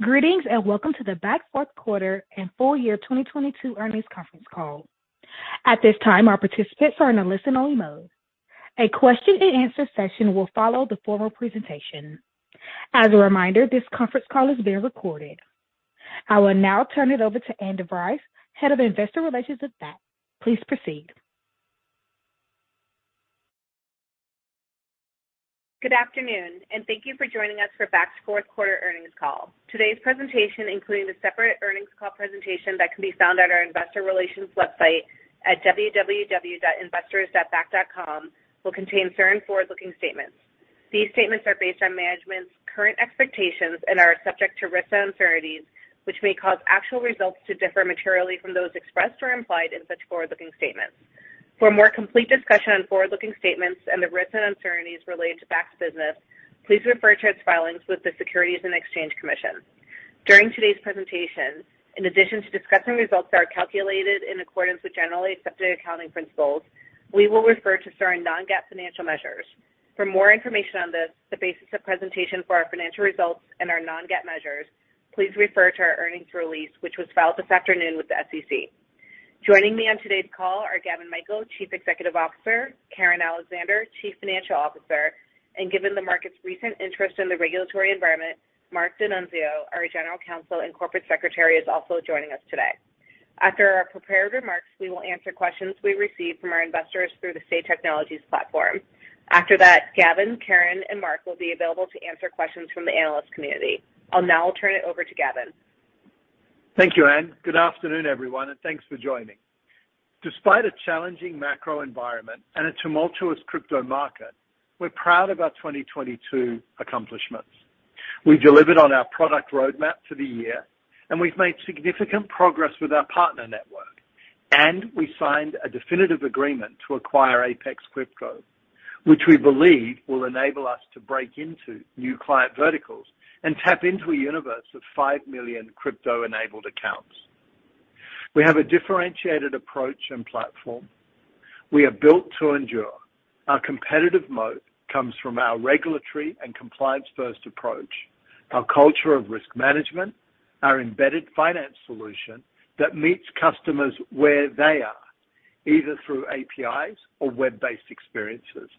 Greetings, welcome to the Bakkt fourth quarter and full year 2022 earnings conference call. At this time, our participants are in a listen-only mode. A question and answer session will follow the formal presentation. As a reminder, this conference call is being recorded. I will now turn it over to Ann DeVries, Head of Investor Relations at Bakkt. Please proceed. Good afternoon, thank you for joining us for Bakkt's fourth quarter earnings call. Today's presentation, including the separate earnings call presentation that can be found at our investor relations website at www.investors.bakkt.com, will contain certain forward-looking statements. These statements are based on management's current expectations and are subject to risks and uncertainties, which may cause actual results to differ materially from those expressed or implied in such forward-looking statements. For a more complete discussion on forward-looking statements and the risks and uncertainties related to Bakkt's business, please refer to its filings with the Securities and Exchange Commission. During today's presentation, in addition to discussing results that are calculated in accordance with generally accepted accounting principles, we will refer to certain non-GAAP financial measures. For more information on this, the basis of presentation for our financial results and our non-GAAP measures, please refer to our earnings release, which was filed this afternoon with the SEC. Joining me on today's call are Gavin Michael, Chief Executive Officer, Karen Alexander, Chief Financial Officer, given the market's recent interest in the regulatory environment, Marc D'Annunzio, our General Counsel and Corporate Secretary, is also joining us today. After our prepared remarks, we will answer questions we received from our investors through the Say Technologies platform. After that, Gavin, Karen, and Marc will be available to answer questions from the analyst community. I'll now turn it over to Gavin. Thank you, Ann. Good afternoon, everyone, thanks for joining. Despite a challenging macro environment and a tumultuous crypto market, we're proud of our 2022 accomplishments. We delivered on our product roadmap for the year, we've made significant progress with our partner network. We signed a definitive agreement to acquire Apex Crypto, which we believe will enable us to break into new client verticals and tap into a universe of 5 million crypto-enabled accounts. We have a differentiated approach and platform. We are built to endure. Our competitive mode comes from our regulatory and compliance-first approach, our culture of risk management, our embedded finance solution that meets customers where they are, either through APIs or web-based experiences,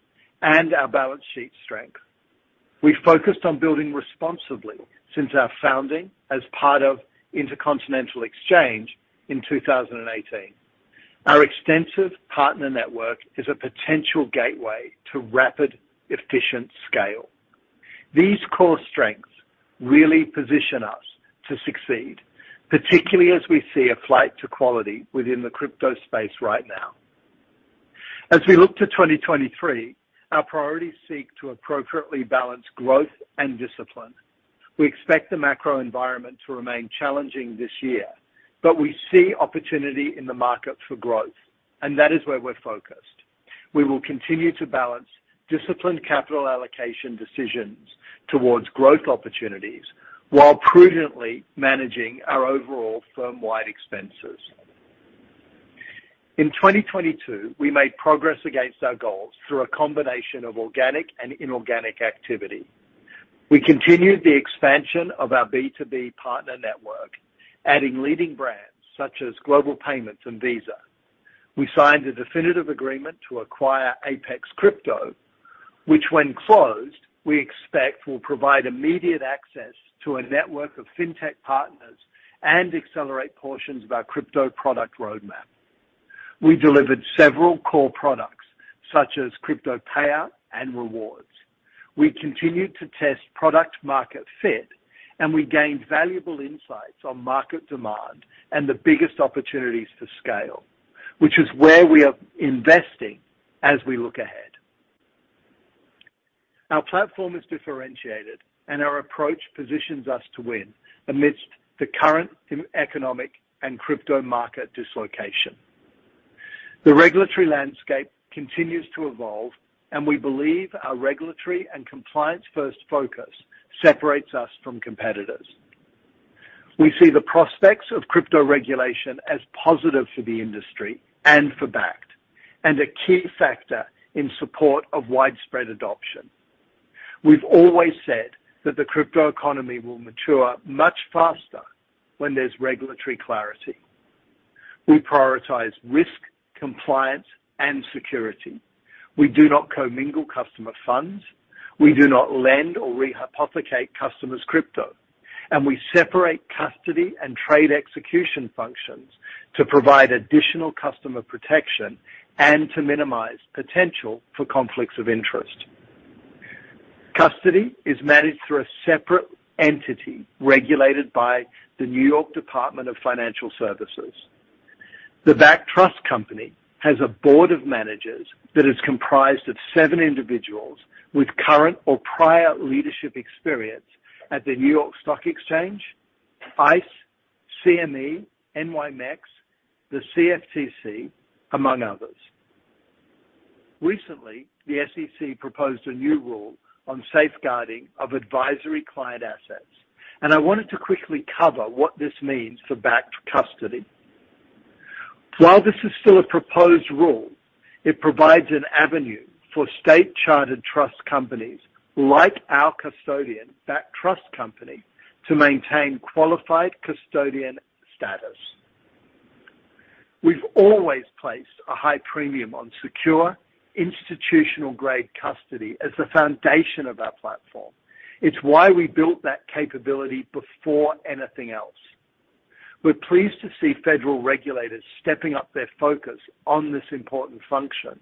and our balance sheet strength. We focused on building responsibly since our founding as part of Intercontinental Exchange in 2018. Our extensive partner network is a potential gateway to rapid, efficient scale. These core strengths really position us to succeed, particularly as we see a flight to quality within the crypto space right now. As we look to 2023, our priorities seek to appropriately balance growth and discipline. We expect the macro environment to remain challenging this year. We see opportunity in the market for growth. That is where we're focused. We will continue to balance disciplined capital allocation decisions towards growth opportunities while prudently managing our overall firm-wide expenses. In 2022, we made progress against our goals through a combination of organic and inorganic activity. We continued the expansion of our B2B partner network, adding leading brands such as Global Payments and Visa. We signed a definitive agreement to acquire Apex Crypto, which when closed, we expect will provide immediate access to a network of fintech partners and accelerate portions of our crypto product roadmap. We delivered several core products, such as Crypto Payout and Crypto Rewards. We continued to test product market fit. We gained valuable insights on market demand and the biggest opportunities for scale, which is where we are investing as we look ahead. Our platform is differentiated. Our approach positions us to win amidst the current economic and crypto market dislocation. The regulatory landscape continues to evolve. We believe our regulatory and compliance-first focus separates us from competitors. We see the prospects of crypto regulation as positive for the industry and for Bakkt. A key factor in support of widespread adoption. We've always said that the crypto economy will mature much faster when there's regulatory clarity. We prioritize risk, compliance, and security. We do not commingle customer funds. We do not lend or rehypothecate customers' crypto, and we separate custody and trade execution functions to provide additional customer protection and to minimize potential for conflicts of interest. Custody is managed through a separate entity regulated by the New York State Department of Financial Services. The Bakkt Trust Company has a board of managers that is comprised of seven individuals with current or prior leadership experience at the New York Stock Exchange, ICE, CME, NYMEX, the CFTC, among others. Recently, the SEC proposed a new rule on safeguarding of advisory client assets, and I wanted to quickly cover what this means for Bakkt custody. While this is still a proposed rule, it provides an avenue for state-chartered trust companies like our custodian, Bakkt Trust Company, to maintain qualified custodian status. We've always placed a high premium on secure, institutional-grade custody as the foundation of our platform. It's why we built that capability before anything else. We're pleased to see federal regulators stepping up their focus on this important function.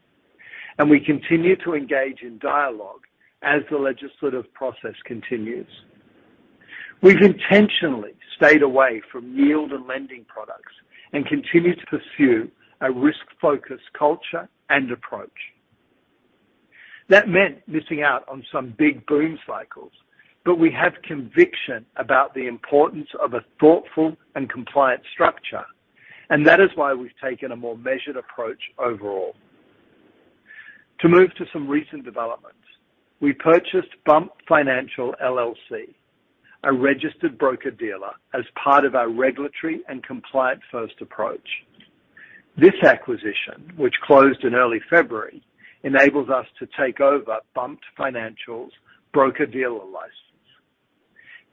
We continue to engage in dialogue as the legislative process continues. We've intentionally stayed away from yield and lending products and continue to pursue a risk-focused culture and approach. That meant missing out on some big boom cycles, but we have conviction about the importance of a thoughtful and compliant structure. That is why we've taken a more measured approach overall. To move to some recent developments, we purchased Bumped Financial, LLC, a registered broker-dealer, as part of our regulatory and compliant-first approach. This acquisition, which closed in early February, enables us to take over Bumped Financial's broker-dealer license.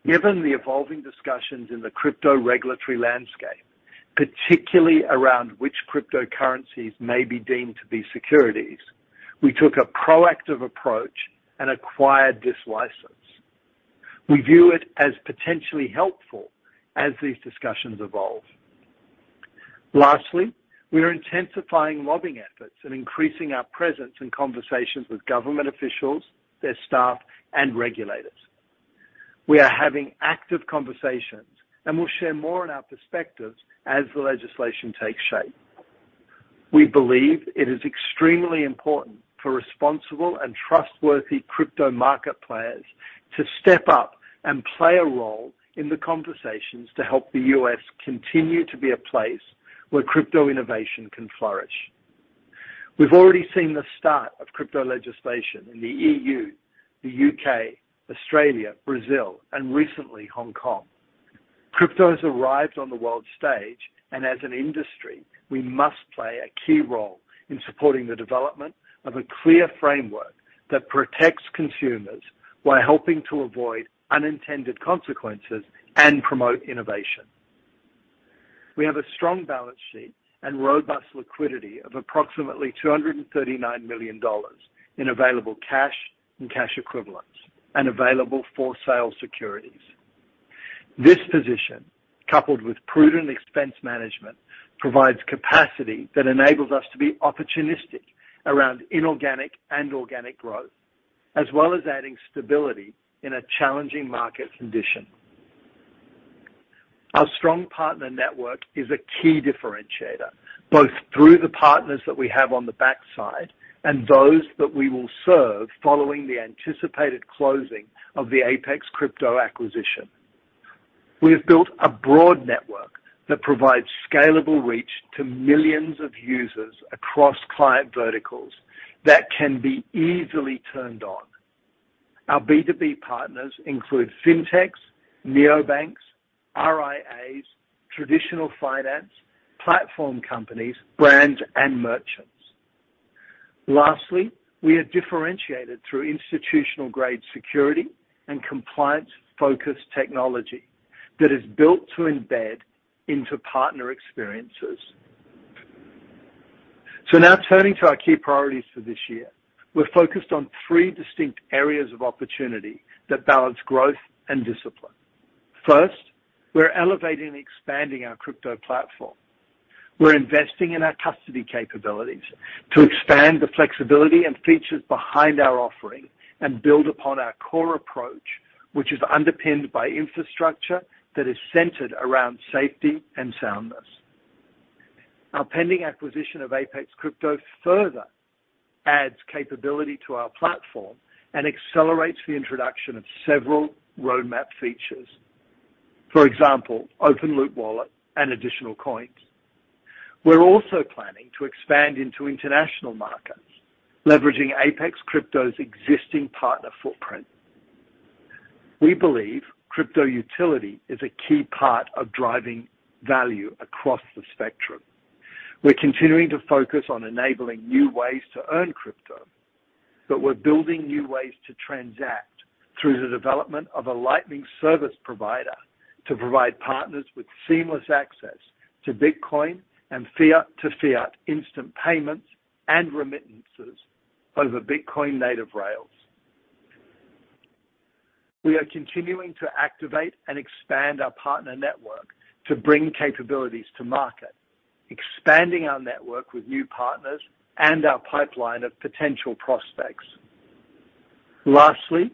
Given the evolving discussions in the crypto regulatory landscape, particularly around which cryptocurrencies may be deemed to be securities, we took a proactive approach and acquired this license. We view it as potentially helpful as these discussions evolve. Lastly, we are intensifying lobbying efforts and increasing our presence in conversations with government officials, their staff, and regulators. We are having active conversations and will share more on our perspectives as the legislation takes shape. We believe it is extremely important for responsible and trustworthy crypto market players to step up and play a role in the conversations to help the U.S. continue to be a place where crypto innovation can flourish. We've already seen the start of crypto legislation in the E.U., the U.K., Australia, Brazil, and recently Hong Kong. Crypto has arrived on the world stage, and as an industry, we must play a key role in supporting the development of a clear framework that protects consumers while helping to avoid unintended consequences and promote innovation. We have a strong balance sheet and robust liquidity of approximately $239 million in available cash and cash equivalents and available for sale securities. This position, coupled with prudent expense management, provides capacity that enables us to be opportunistic around inorganic and organic growth, as well as adding stability in a challenging market condition. Our strong partner network is a key differentiator, both through the partners that we have on the backside and those that we will serve following the anticipated closing of the Apex Crypto acquisition. We have built a broad network that provides scalable reach to millions of users across client verticals that can be easily turned on. Our B2B partners include fintechs, neobanks, RIAs, traditional finance, platform companies, brands, and merchants. Lastly, we are differentiated through institutional-grade security and compliance-focused technology that is built to embed into partner experiences. Now turning to our key priorities for this year. We're focused on three distinct areas of opportunity that balance growth and discipline. First, we're elevating and expanding our crypto platform. We're investing in our custody capabilities to expand the flexibility and features behind our offering and build upon our core approach, which is underpinned by infrastructure that is centered around safety and soundness. Our pending acquisition of Apex Crypto further adds capability to our platform and accelerates the introduction of several roadmap features. For example, open loop wallet and additional coins. We're also planning to expand into international markets, leveraging Apex Crypto's existing partner footprint. We believe crypto utility is a key part of driving value across the spectrum. We're continuing to focus on enabling new ways to earn crypto, we're building new ways to transact through the development of a Lightning Service Provider to provide partners with seamless access to Bitcoin and fiat to fiat instant payments and remittances over Bitcoin native rails. We are continuing to activate and expand our partner network to bring capabilities to market, expanding our network with new partners and our pipeline of potential prospects. Lastly,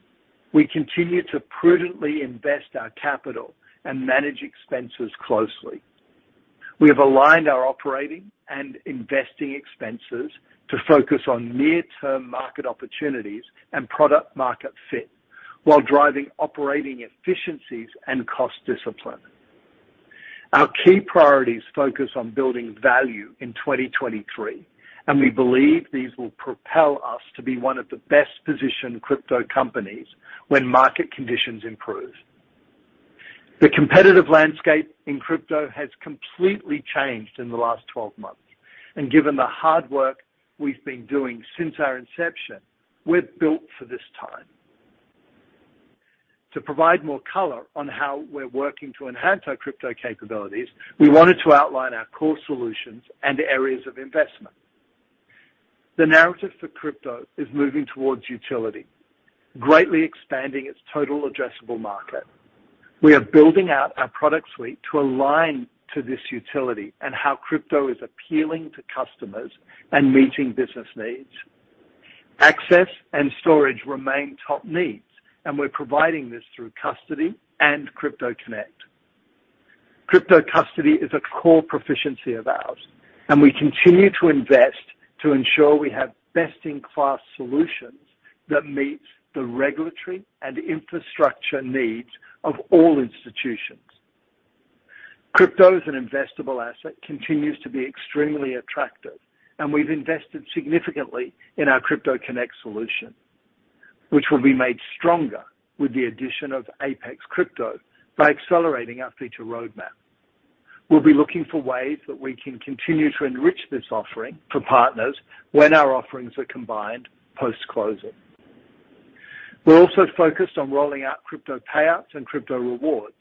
we continue to prudently invest our capital and manage expenses closely. We have aligned our operating and investing expenses to focus on near-term market opportunities and product-market fit while driving operating efficiencies and cost discipline. Our key priorities focus on building value in 2023, and we believe these will propel us to be one of the best-positioned crypto companies when market conditions improve. The competitive landscape in crypto has completely changed in the last 12 months. Given the hard work we've been doing since our inception, we're built for this time. To provide more color on how we're working to enhance our crypto capabilities, we wanted to outline our core solutions and areas of investment. The narrative for crypto is moving towards utility, greatly expanding its total addressable market. We are building out our product suite to align to this utility and how crypto is appealing to customers and meeting business needs. Access and storage remain top needs, and we're providing this through custody and Crypto Connect. Crypto custody is a core proficiency of ours, and we continue to invest to ensure we have best-in-class solutions that meets the regulatory and infrastructure needs of all institutions. Crypto as an investable asset continues to be extremely attractive, and we've invested significantly in our Crypto Connect solution, which will be made stronger with the addition of Apex Crypto by accelerating our future roadmap. We'll be looking for ways that we can continue to enrich this offering for partners when our offerings are combined post-closing. We're also focused on rolling out crypto payouts and crypto rewards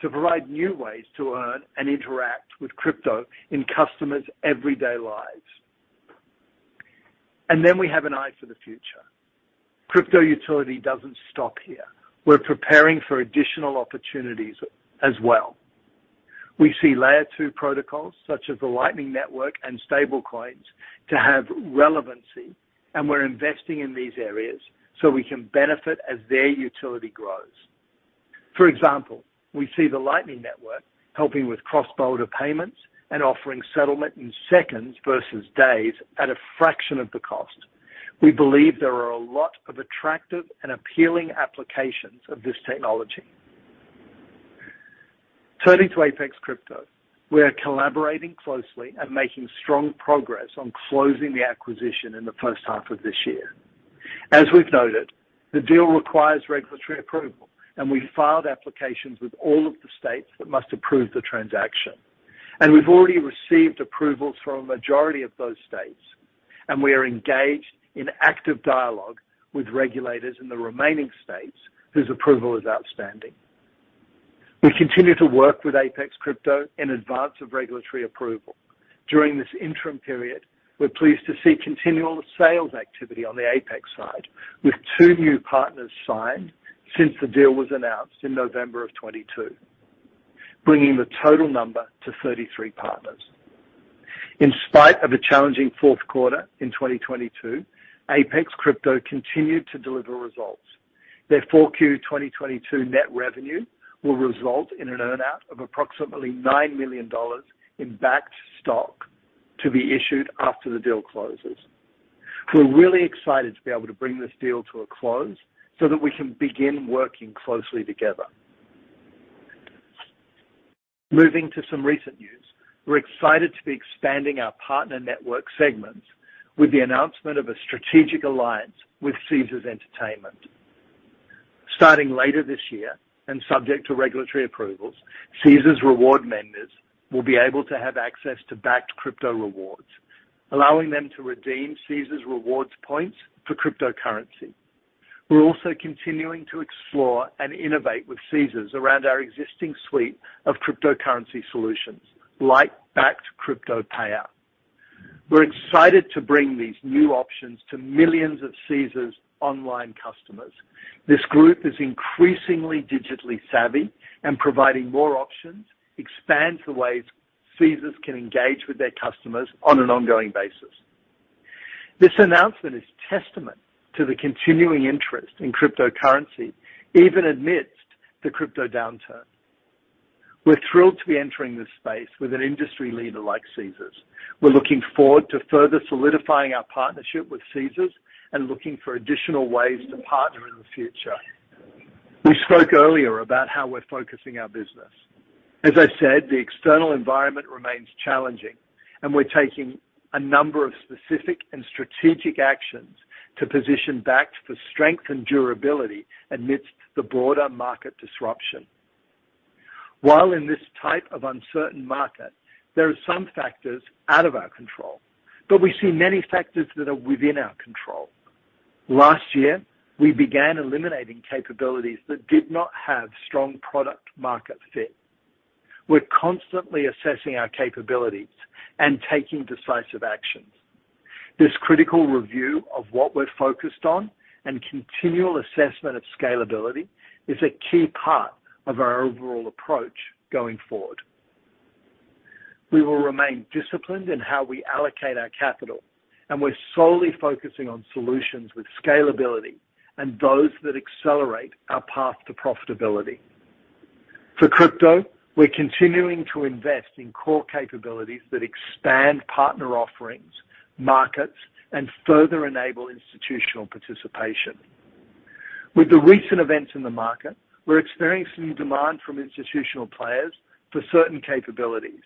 to provide new ways to earn and interact with crypto in customers' everyday lives. We have an eye for the future. Crypto utility doesn't stop here. We're preparing for additional opportunities as well. We see layer two protocols such as the Lightning Network and stablecoins to have relevancy. We're investing in these areas so we can benefit as their utility grows. For example, we see the Lightning Network helping with cross-border payments and offering settlement in seconds versus days at a fraction of the cost. We believe there are a lot of attractive and appealing applications of this technology. Turning to Apex Crypto, we are collaborating closely and making strong progress on closing the acquisition in the 1st half of this year. As we've noted, the deal requires regulatory approval. We filed applications with all of the states that must approve the transaction. We've already received approvals from a majority of those states, and we are engaged in active dialogue with regulators in the remaining states whose approval is outstanding. We continue to work with Apex Crypto in advance of regulatory approval. During this interim period, we're pleased to see continual sales activity on the Apex side, with 2 new partners signed since the deal was announced in November 2022, bringing the total number to 33 partners. In spite of a challenging fourth quarter in 2022, Apex Crypto continued to deliver results. Their Q4 2022 net revenue will result in an earn-out of approximately $9 million in Bakkt stock to be issued after the deal closes. We're really excited to be able to bring this deal to a close so that we can begin working closely together. Moving to some recent news, we're excited to be expanding our partner network segments with the announcement of a strategic alliance with Caesars Entertainment. Starting later this year, subject to regulatory approvals, Caesars Rewards members will be able to have access to Bakkt Crypto Rewards, allowing them to redeem Caesars Rewards points for cryptocurrency. We're also continuing to explore and innovate with Caesars around our existing suite of cryptocurrency solutions like Bakkt Crypto Payout. We're excited to bring these new options to millions of Caesars online customers. This group is increasingly digitally savvy, and providing more options expands the ways Caesars can engage with their customers on an ongoing basis. This announcement is testament to the continuing interest in cryptocurrency, even amidst the crypto downturn. We're thrilled to be entering this space with an industry leader like Caesars. We're looking forward to further solidifying our partnership with Caesars and looking for additional ways to partner in the future. We spoke earlier about how we're focusing our business. As I said, the external environment remains challenging, and we're taking a number of specific and strategic actions to position Bakkt for strength and durability amidst the broader market disruption. While in this type of uncertain market, there are some factors out of our control, but we see many factors that are within our control. Last year, we began eliminating capabilities that did not have strong product market fit. We're constantly assessing our capabilities and taking decisive actions. This critical review of what we're focused on and continual assessment of scalability is a key part of our overall approach going forward. We will remain disciplined in how we allocate our capital, and we're solely focusing on solutions with scalability and those that accelerate our path to profitability. For crypto, we're continuing to invest in core capabilities that expand partner offerings, markets, and further enable institutional participation. With the recent events in the market, we're experiencing demand from institutional players for certain capabilities.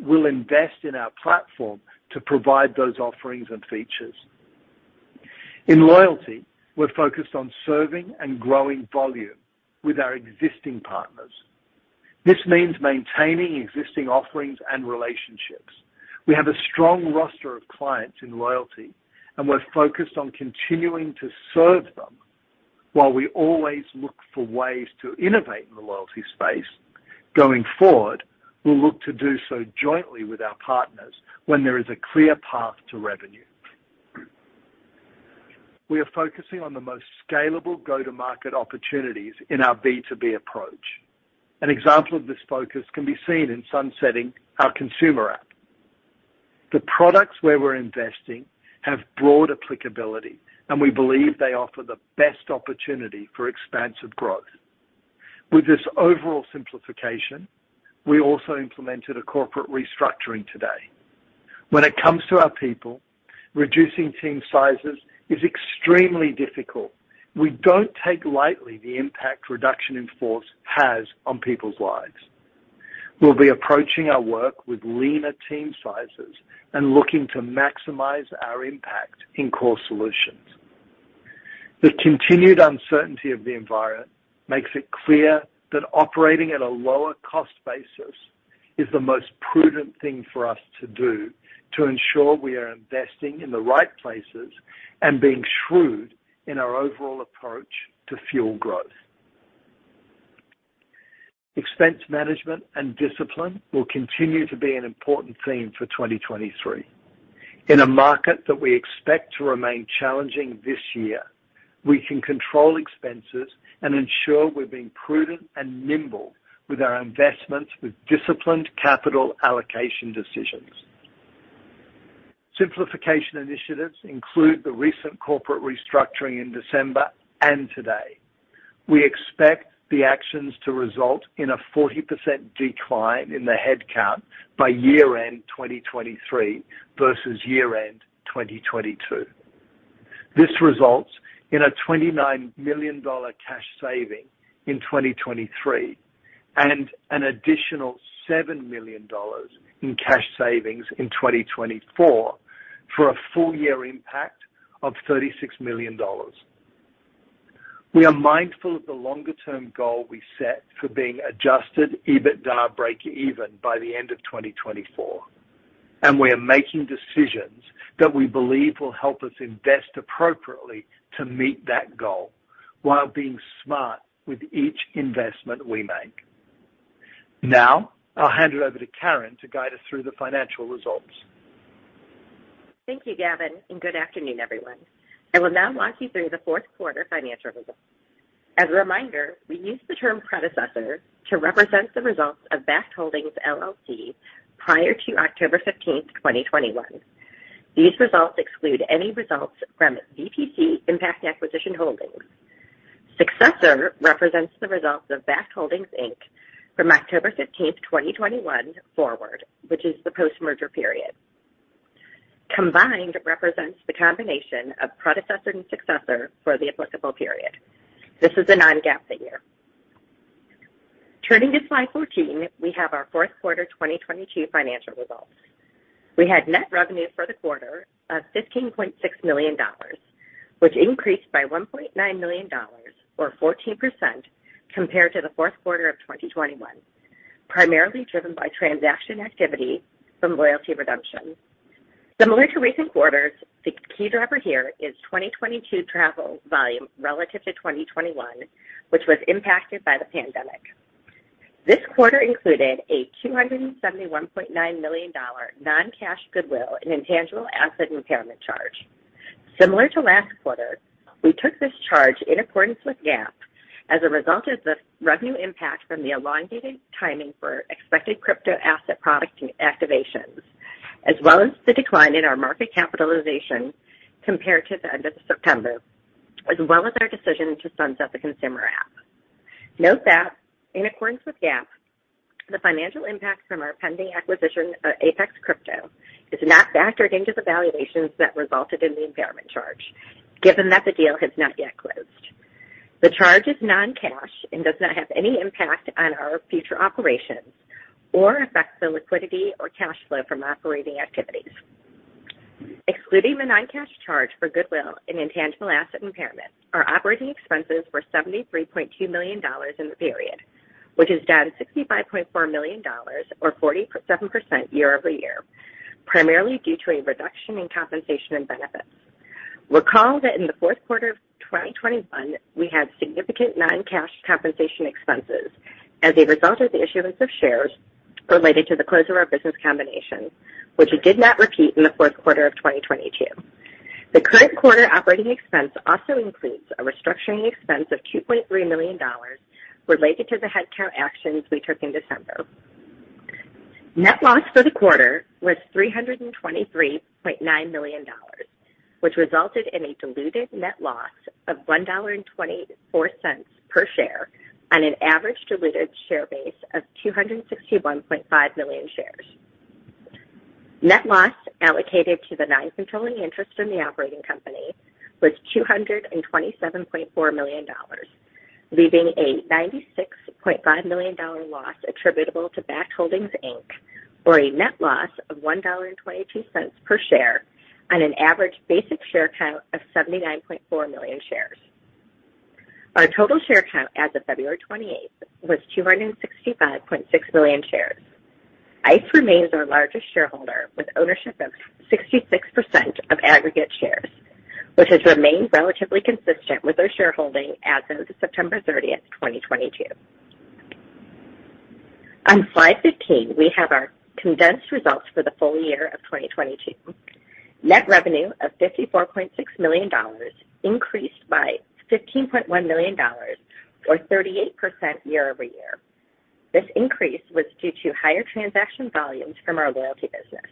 We'll invest in our platform to provide those offerings and features. In loyalty, we're focused on serving and growing volume with our existing partners. This means maintaining existing offerings and relationships. We have a strong roster of clients in loyalty. We're focused on continuing to serve them while we always look for ways to innovate in the loyalty space. Going forward, we'll look to do so jointly with our partners when there is a clear path to revenue. We are focusing on the most scalable go-to-market opportunities in our B2B approach. An example of this focus can be seen in sunsetting our consumer app. The products where we're investing have broad applicability. We believe they offer the best opportunity for expansive growth. With this overall simplification, we also implemented a corporate restructuring today. When it comes to our people, reducing team sizes is extremely difficult. We don't take lightly the impact reduction in force has on people's lives. We'll be approaching our work with leaner team sizes and looking to maximize our impact in core solutions. The continued uncertainty of the environment makes it clear that operating at a lower cost basis is the most prudent thing for us to do to ensure we are investing in the right places and being shrewd in our overall approach to fuel growth. Expense management and discipline will continue to be an important theme for 2023. In a market that we expect to remain challenging this year, we can control expenses and ensure we're being prudent and nimble with our investments with disciplined capital allocation decisions. Simplification initiatives include the recent corporate restructuring in December and today. We expect the actions to result in a 40% decline in the headcount by year end 2023 versus year end 2022. This results in a $29 million cash saving in 2023 and an additional $7 million in cash savings in 2024 for a full year impact of $36 million. We are mindful of the longer-term goal we set for being Adjusted EBITDA breakeven by the end of 2024, and we are making decisions that we believe will help us invest appropriately to meet that goal while being smart with each investment we make. Now, I'll hand it over to Karen to guide us through the financial results. Thank you, Gavin. Good afternoon, everyone. I will now walk you through the fourth quarter financial results. As a reminder, we use the term predecessor to represent the results of Bakkt Holdings, LLC prior to October 15, 2021. These results exclude any results from VPC Impact Acquisition Holdings. Successor represents the results of Bakkt Holdings, Inc. from October 15, 2021 forward, which is the post-merger period. Combined represents the combination of predecessor and successor for the applicable period. This is a non-GAAP figure. Turning to slide 14, we have our fourth quarter 2022 financial results. We had net revenue for the quarter of $15.6 million, which increased by $1.9 million or 14% compared to the fourth quarter of 2021, primarily driven by transaction activity from loyalty redemption. Similar to recent quarters, the key driver here is 2022 travel volume relative to 2021, which was impacted by the pandemic. This quarter included a $271.9 million non-cash goodwill and intangible asset impairment charge. Similar to last quarter, we took this charge in accordance with GAAP as a result of the revenue impact from the elongated timing for expected crypto asset product activations, as well as the decline in our market capitalization compared to the end of September, as well as our decision to sunset the consumer app. Note that in accordance with GAAP, the financial impact from our pending acquisition of Apex Crypto is not factored into the valuations that resulted in the impairment charge, given that the deal has not yet closed. The charge is non-cash and does not have any impact on our future operations or affect the liquidity or cash flow from operating activities. Excluding the non-cash charge for goodwill and intangible asset impairment, our operating expenses were $73.2 million in the period, which is down $65.4 million or 47% year-over-year, primarily due to a reduction in compensation and benefits. Recall that in the fourth quarter of 2021, we had significant non-cash compensation expenses as a result of the issuance of shares related to the close of our business combination, which it did not repeat in the fourth quarter of 2022. The current quarter operating expense also includes a restructuring expense of $2.3 million related to the headcount actions we took in December. Net loss for the quarter was $323.9 million, which resulted in a diluted net loss of $1.24 per share on an average diluted share base of 261.5 million shares. Net loss allocated to the non-controlling interest in the operating company was $227.4 million. Leaving a $96.5 million loss attributable to Bakkt Holdings, Inc., or a net loss of $1.22 per share on an average basic share count of 79.4 million shares. Our total share count as of February 28th was 265.6 million shares. ICE remains our largest shareholder, with ownership of 66% of aggregate shares, which has remained relatively consistent with our shareholding as of September 30th, 2022. On slide 15, we have our condensed results for the full year of 2022. Net revenue of $54.6 million increased by $15.1 million or 38% year-over-year. This increase was due to higher transaction volumes from our loyalty business.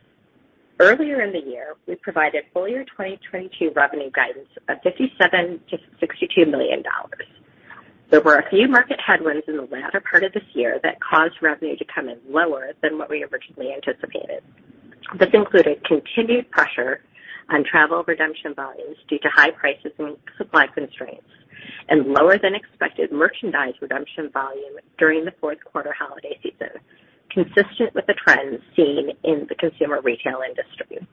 Earlier in the year, we provided full year 2022 revenue guidance of $57 million to $62 million. There were a few market headwinds in the latter part of this year that caused revenue to come in lower than what we originally anticipated. This included continued pressure on travel redemption volumes due to high prices and supply constraints and lower than expected merchandise redemption volume during the fourth quarter holiday season, consistent with the trends seen in the consumer retail industry.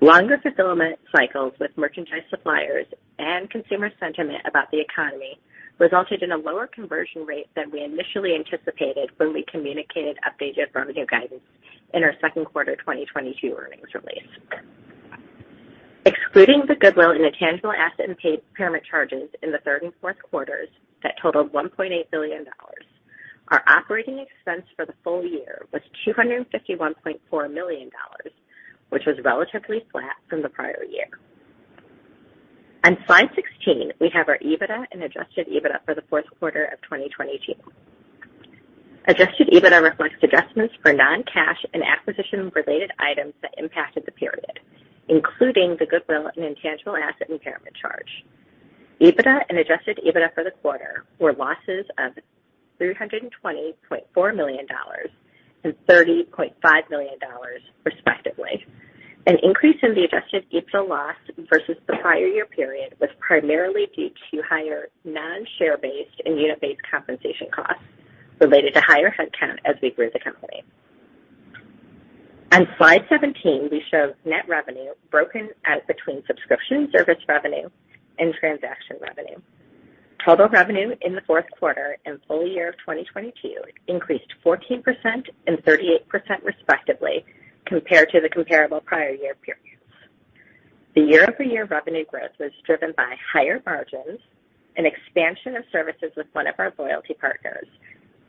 Longer fulfillment cycles with merchandise suppliers and consumer sentiment about the economy resulted in a lower conversion rate than we initially anticipated when we communicated updated revenue guidance in our second quarter 2022 earnings release. Excluding the goodwill and the tangible asset impairment charges in the third and fourth quarters that totaled $1.8 billion, our operating expense for the full year was $251.4 million, which was relatively flat from the prior year. On slide 16, we have our EBITDA and Adjusted EBITDA for the fourth quarter of 2022. Adjusted EBITDA reflects adjustments for non-cash and acquisition-related items that impacted the period, including the goodwill and intangible asset impairment charge. EBITDA and Adjusted EBITDA for the quarter were losses of $320.4 million and $30.5 million, respectively. An increase in the Adjusted EBITDA loss versus the prior year period was primarily due to higher non-share based and unit-based compensation costs related to higher headcount as we grew the company. On slide 17, we show net revenue broken out between subscription service revenue and transaction revenue. Total revenue in the fourth quarter and full year of 2022 increased 14% and 38%, respectively, compared to the comparable prior year periods. The year-over-year revenue growth was driven by higher margins, an expansion of services with one of our loyalty partners,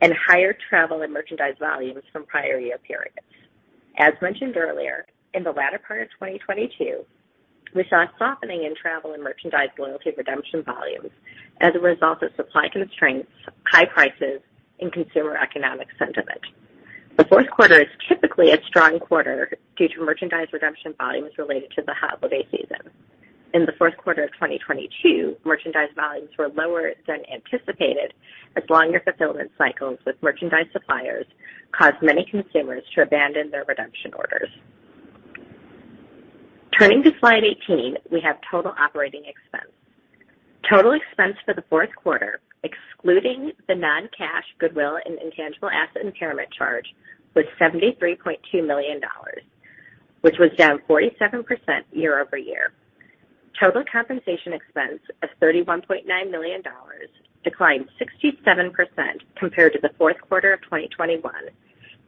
and higher travel and merchandise volumes from prior year periods. As mentioned earlier, in the latter part of 2022, we saw a softening in travel and merchandise loyalty redemption volumes as a result of supply constraints, high prices and consumer economic sentiment. The fourth quarter is typically a strong quarter due to merchandise redemption volumes related to the holiday season. In the fourth quarter of 2022, merchandise volumes were lower than anticipated as longer fulfillment cycles with merchandise suppliers caused many consumers to abandon their redemption orders. Turning to slide 18, we have total operating expense. Total expense for the fourth quarter, excluding the non-cash goodwill and intangible asset impairment charge, was $73.2 million, which was down 47% year-over-year. Total compensation expense of $31.9 million declined 67% compared to the fourth quarter of 2021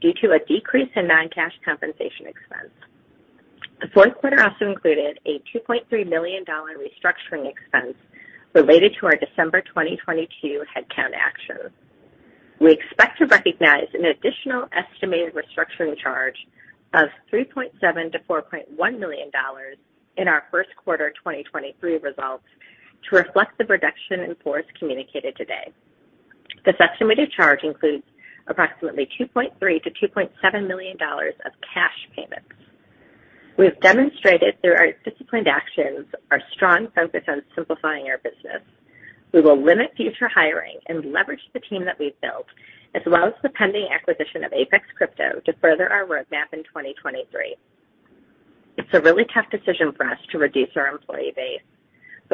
due to a decrease in non-cash compensation expense. The fourth quarter also included a $2.3 million restructuring expense related to our December 2022 headcount actions. We expect to recognize an additional estimated restructuring charge of $3.7 million to $4.1 million in our first quarter 2023 results to reflect the reduction in force communicated today. This estimated charge includes approximately $2.3 million to $2.7 million of cash payments. We have demonstrated through our disciplined actions our strong focus on simplifying our business. We will limit future hiring and leverage the team that we've built, as well as the pending acquisition of Apex Crypto to further our roadmap in 2023. It's a really tough decision for us to reduce our employee base.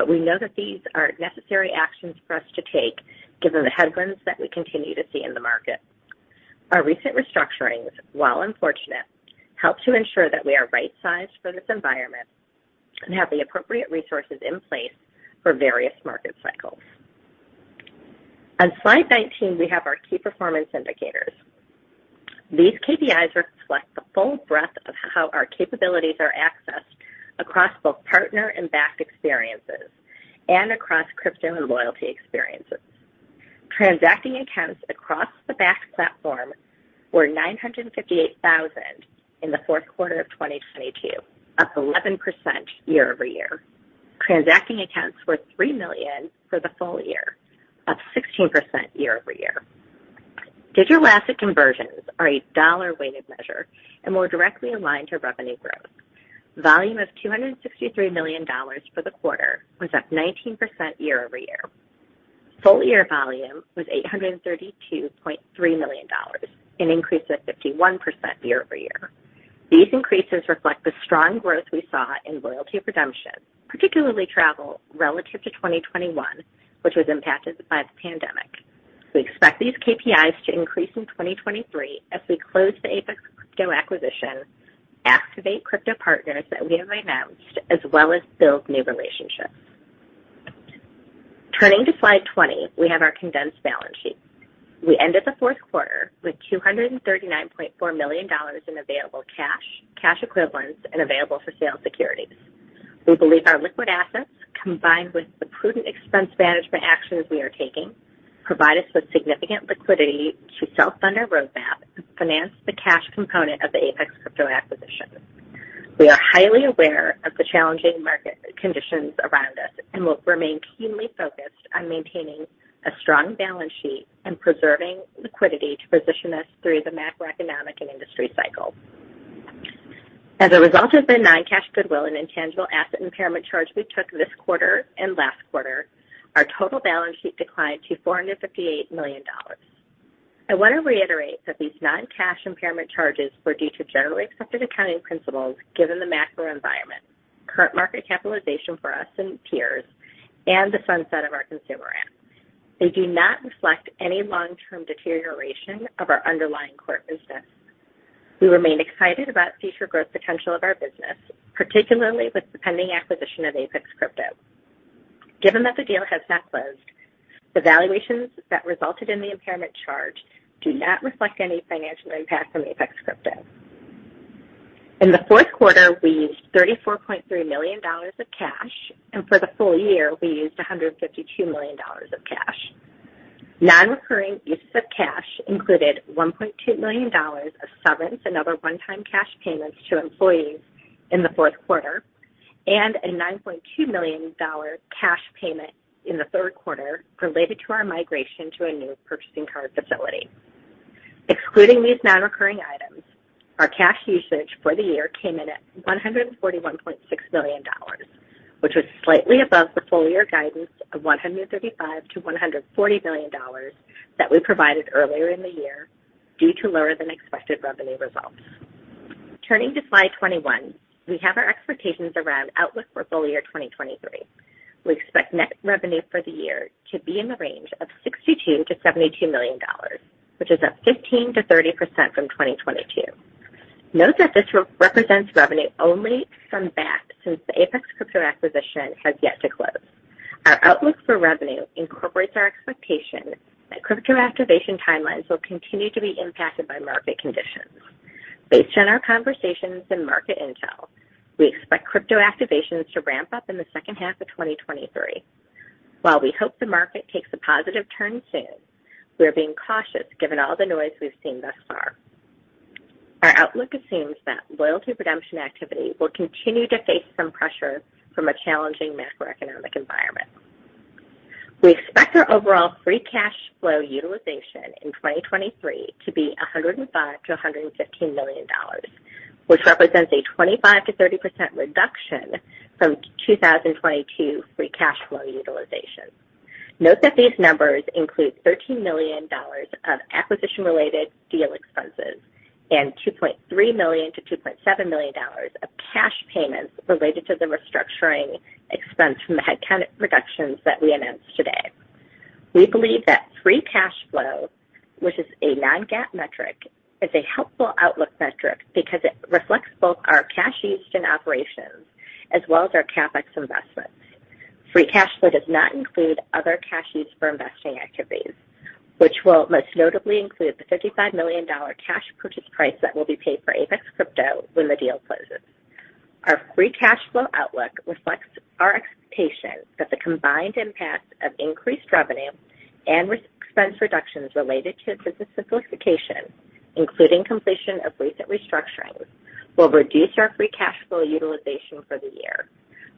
We know that these are necessary actions for us to take given the headwinds that we continue to see in the market. Our recent restructurings, while unfortunate, help to ensure that we are right-sized for this environment and have the appropriate resources in place for various market cycles. On slide 19, we have our Key Performance Indicators. These KPIs reflect the full breadth of how our capabilities are accessed across both partner and Bakkt experiences and across crypto and loyalty experiences. Transacting accounts across the Bakkt platform were 958,000 in the fourth quarter of 2022, up 11% year-over-year. Transacting accounts were 3 million for the full year, up 16% year-over-year. Digital asset conversions are a dollar-weighted measure and more directly aligned to revenue growth. Volume of $263 million for the quarter was up 19% year-over-year. Full year volume was $832.3 million, an increase of 51% year-over-year. These increases reflect the strong growth we saw in loyalty redemption, particularly travel relative to 2021, which was impacted by the pandemic. We expect these KPIs to increase in 2023 as we close the Apex Crypto acquisition, activate crypto partners that we have announced, as well as build new relationships. Turning to slide 20, we have our condensed balance sheet. We ended the fourth quarter with $239.4 million in available cash equivalents and available for sale securities. We believe our liquid assets, combined with the prudent expense management actions we are taking, provide us with significant liquidity to self-fund our roadmap and finance the cash component of the Apex Crypto acquisition. We are highly aware of the challenging market conditions around us and will remain keenly focused on maintaining a strong balance sheet and preserving liquidity to position us through the macroeconomic and industry cycle. As a result of the non-cash goodwill and intangible asset impairment charge we took this quarter and last quarter, our total balance sheet declined to $458 million. I want to reiterate that these non-cash impairment charges were due to generally accepted accounting principles given the macro environment, current market capitalization for us and peers, and the sunset of our consumer app. They do not reflect any long-term deterioration of our underlying core business. We remain excited about future growth potential of our business, particularly with the pending acquisition of Apex Crypto. Given that the deal has not closed, the valuations that resulted in the impairment charge do not reflect any financial impact from Apex Crypto. In the fourth quarter, we used $34.3 million of cash, and for the full year, we used $152 million of cash. Non-recurring uses of cash included $1.2 million of severance and other one-time cash payments to employees in the fourth quarter and a $9.2 million cash payment in the third quarter related to our migration to a new purchasing card facility. Excluding these non-recurring items, our cash usage for the year came in at $141.6 million, which was slightly above the full year guidance of $135 million to $140 million that we provided earlier in the year due to lower than expected revenue results. Turning to slide 21, we have our expectations around outlook for full year 2023. We expect net revenue for the year to be in the range of $62 million to $72 million, which is up 15% to 30% from 2022. Note that this represents revenue only from Bakkt since the Apex Crypto acquisition has yet to close. Our outlook for revenue incorporates our expectation that crypto activation timelines will continue to be impacted by market conditions. Based on our conversations and market intel, we expect crypto activations to ramp up in the second half of 2023. While we hope the market takes a positive turn soon, we are being cautious given all the noise we've seen thus far. Our outlook assumes that loyalty redemption activity will continue to face some pressure from a challenging macroeconomic environment. We expect our overall free cash flow utilization in 2023 to be $105 million to $115 million, which represents a 25% to 30% reduction from 2022 free cash flow utilization. Note that these numbers include $13 million of acquisition-related deal expenses and $2.3 million tp $2.7 million of cash payments related to the restructuring expense from the headcount reductions that we announced today. We believe that free cash flow, which is a non-GAAP metric, is a helpful outlook metric because it reflects both our cash used in operations as well as our CapEx investments. Free cash flow does not include other cash used for investing activities, which will most notably include the $55 million cash purchase price that will be paid for Apex Crypto when the deal closes. Our free cash flow outlook reflects our expectation that the combined impact of increased revenue and re-expense reductions related to business simplification, including completion of recent restructurings, will reduce our free cash flow utilization for the year.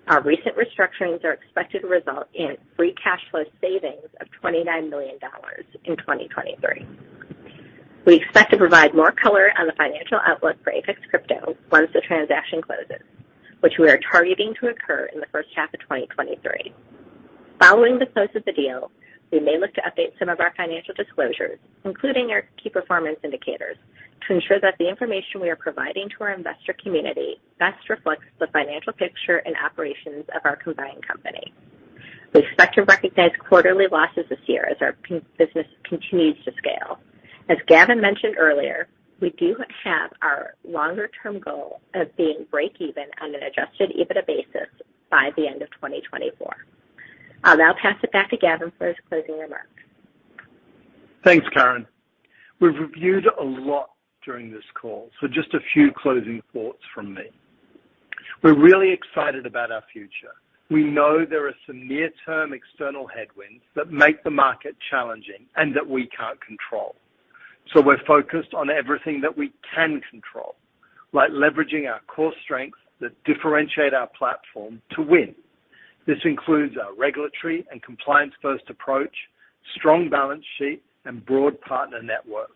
Our recent restructurings are expected to result in free cash flow savings of $29 million in 2023. We expect to provide more color on the financial outlook for Apex Crypto once the transaction closes, which we are targeting to occur in the first half of 2023. Following the close of the deal, we may look to update some of our financial disclosures, including our key performance indicators, to ensure that the information we are providing to our investor community best reflects the financial picture and operations of our combined company. We expect to recognize quarterly losses this year as our business continues to scale. As Gavin mentioned earlier, we do have our longer-term goal of being break even on an Adjusted EBITDA basis by the end of 2024. I'll now pass it back to Gavin for his closing remarks. Thanks, Karen. We've reviewed a lot during this call, just a few closing thoughts from me. We're really excited about our future. We know there are some near-term external headwinds that make the market challenging and that we can't control. We're focused on everything that we can control, like leveraging our core strengths that differentiate our platform to win. This includes our regulatory and compliance-first approach, strong balance sheet, and broad partner network.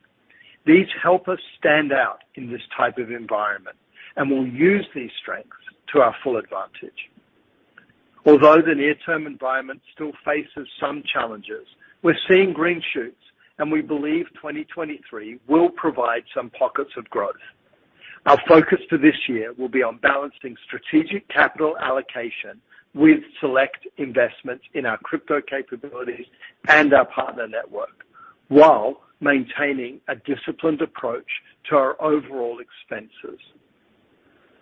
These help us stand out in this type of environment, and we'll use these strengths to our full advantage. Although the near-term environment still faces some challenges, we're seeing green shoots, and we believe 2023 will provide some pockets of growth. Our focus for this year will be on balancing strategic capital allocation with select investments in our crypto capabilities and our partner network while maintaining a disciplined approach to our overall expenses.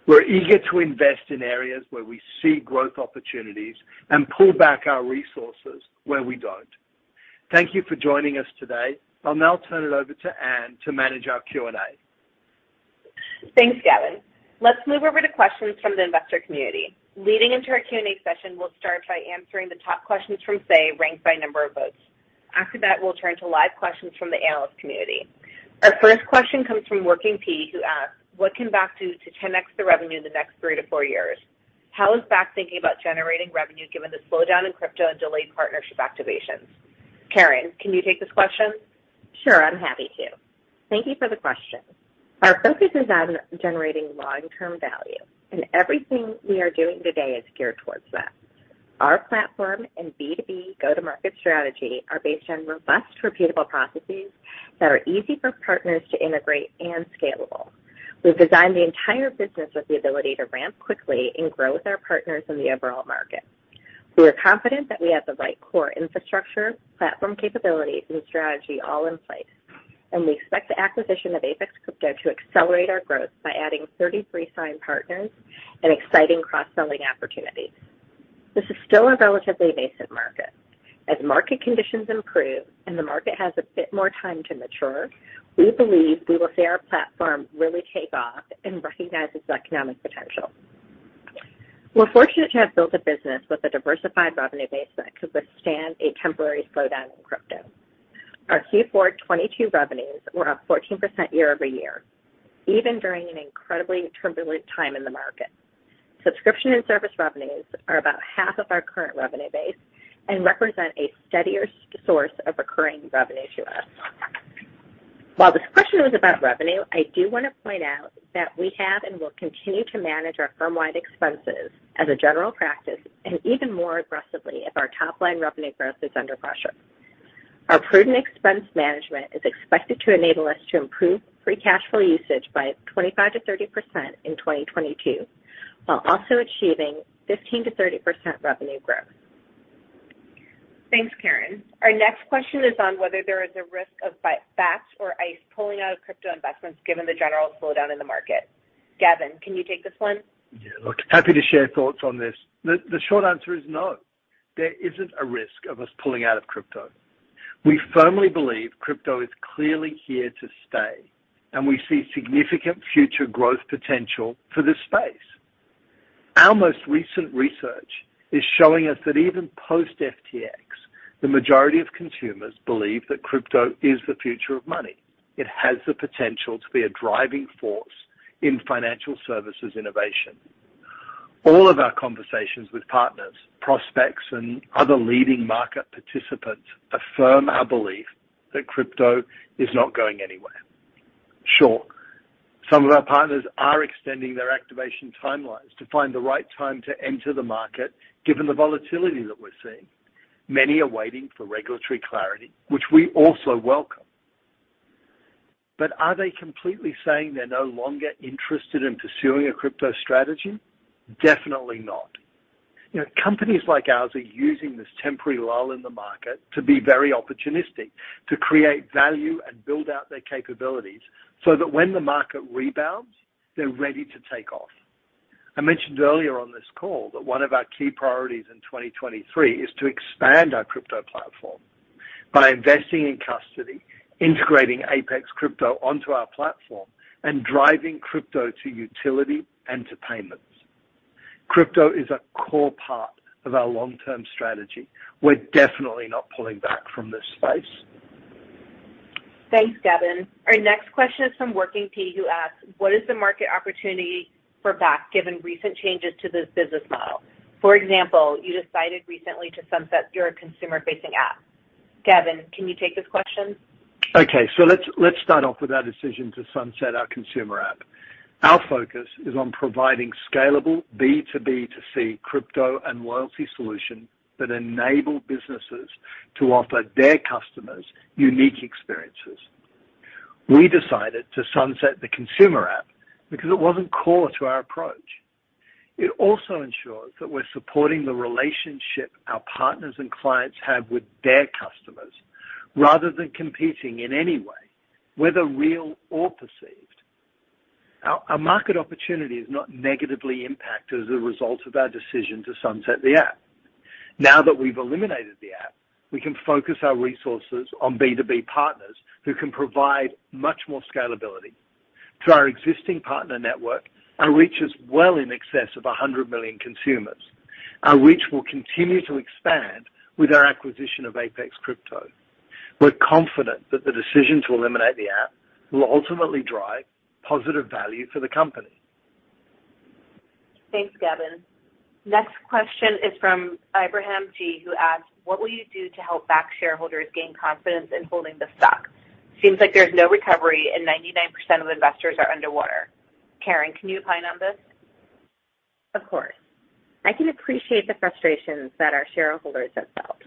We're eager to invest in areas where we see growth opportunities and pull back our resources where we don't. Thank you for joining us today. I'll now turn it over to Anne to manage our Q&A. Thanks, Gavin. Let's move over to questions from the investor community. Leading into our Q&A session, we'll start by answering the top questions from Say ranked by number of votes. After that, we'll turn to live questions from the analyst community. Our first question comes from Working P, who asks, "What can Bakkt do to 10x the revenue in the next three to four years? How is Bakkt thinking about generating revenue given the slowdown in crypto and delayed partnership activations?" Karen, can you take this question? Sure, I'm happy to. Thank you for the question. Our focus is on generating long-term value, and everything we are doing today is geared towards that. Our platform and B2B go-to-market strategy are based on robust, repeatable processes that are easy for partners to integrate and scalable. We've designed the entire business with the ability to ramp quickly and grow with our partners in the overall market. We are confident that we have the right core infrastructure, platform capabilities, and strategy all in place, and we expect the acquisition of Apex Crypto to accelerate our growth by adding 33 signed partners and exciting cross-selling opportunities. This is still a relatively nascent market. As market conditions improve and the market has a bit more time to mature, we believe we will see our platform really take off and recognize its economic potential. We're fortunate to have built a business with a diversified revenue base that could withstand a temporary slowdown in crypto. Our Q4 2022 revenues were up 14% year-over-year, even during an incredibly turbulent time in the market. Subscription and service revenues are about half of our current revenue base and represent a steadier source of recurring revenue to us. While this question was about revenue, I do wanna point out that we have and will continue to manage our firm-wide expenses as a general practice and even more aggressively if our top-line revenue growth is under pressure. Our prudent expense management is expected to enable us to improve free cash flow usage by 25% to 30% in 2022, while also achieving 15% to 30% revenue growth. Thanks, Karen. Our next question is on whether there is a risk of Bakkt or ICE pulling out of crypto investments given the general slowdown in the market. Gavin, can you take this one? Yeah. Look, happy to share thoughts on this. The short answer is no, there isn't a risk of us pulling out of crypto. We firmly believe crypto is clearly here to stay. We see significant future growth potential for this space. Our most recent research is showing us that even post FTX, the majority of consumers believe that crypto is the future of money. It has the potential to be a driving force in financial services innovation. All of our conversations with partners, prospects, and other leading market participants affirm our belief that crypto is not going anywhere. Sure, some of our partners are extending their activation timelines to find the right time to enter the market, given the volatility that we're seeing. Many are waiting for regulatory clarity, which we also welcome. Are they completely saying they're no longer interested in pursuing a crypto strategy? Definitely not. You know, companies like ours are using this temporary lull in the market to be very opportunistic, to create value and build out their capabilities so that when the market rebounds, they're ready to take off. I mentioned earlier on this call that one of our key priorities in 2023 is to expand our crypto platform by investing in custody, integrating Apex Crypto onto our platform, and driving crypto to utility and to payments. Crypto is a core part of our long-term strategy. We're definitely not pulling back from this space. Thanks, Gavin. Our next question is from Working P, who asks, "What is the market opportunity for Bakkt given recent changes to this business model? For example, you decided recently to sunset your consumer-facing app." Gavin, can you take this question? Let's start off with our decision to sunset our consumer app. Our focus is on providing scalable B2B2C crypto and loyalty solution that enable businesses to offer their customers unique experiences. We decided to sunset the consumer app because it wasn't core to our approach. It also ensures that we're supporting the relationship our partners and clients have with their customers rather than competing in any way, whether real or perceived. Our market opportunity is not negatively impacted as a result of our decision to sunset the app. Now that we've eliminated the app, we can focus our resources on B2B partners who can provide much more scalability. Through our existing partner network, our reach is well in excess of 100 million consumers. Our reach will continue to expand with our acquisition of Apex Crypto. We're confident that the decision to eliminate the app will ultimately drive positive value for the company. Thanks, Gavin. Next question is from Abraham G, who asks, "What will you do to help Bakkt shareholders gain confidence in holding the stock? Seems like there's no recovery, and 99% of investors are underwater." Karen, can you opine on this? Of course. I can appreciate the frustrations that our shareholders have felt.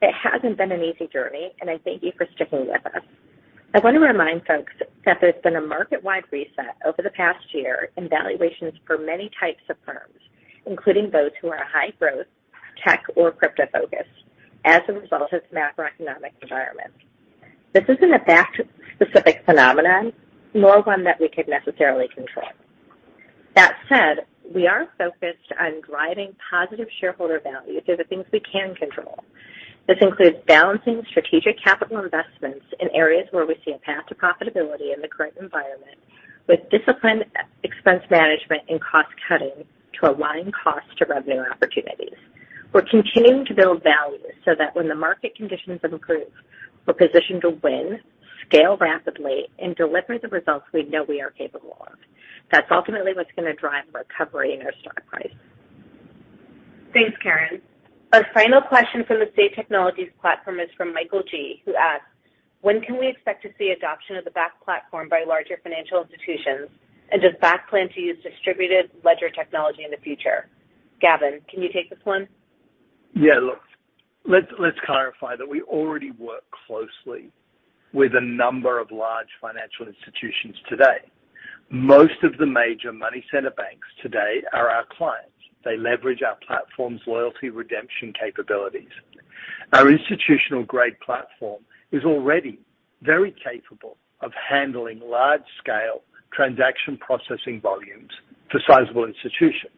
It hasn't been an easy journey, and I thank you for sticking with us. I want to remind folks that there's been a market-wide reset over the past year in valuations for many types of firms, including those who are high growth, tech or crypto-focused as a result of macroeconomic environment. This isn't a Bakkt-specific phenomenon, nor one that we could necessarily control. That said, we are focused on driving positive shareholder value through the things we can control. This includes balancing strategic capital investments in areas where we see a path to profitability in the current environment with disciplined e-expense management and cost-cutting to align cost to revenue opportunities. We're continuing to build value so that when the market conditions have improved, we're positioned to win, scale rapidly and deliver the results we know we are capable of. That's ultimately what's gonna drive recovery in our stock price. Thanks, Karen. Our final question from the Say Technologies platform is from Michael G. Who asks, when can we expect to see adoption of the Bakkt platform by larger financial institutions? Does Bakkt plan to use distributed ledger technology in the future? Gavin, can you take this one? Let's clarify that we already work closely with a number of large financial institutions today. Most of the major money center banks today are our clients. They leverage our platform's loyalty redemption capabilities. Our institutional-grade platform is already very capable of handling large scale transaction processing volumes for sizable institutions.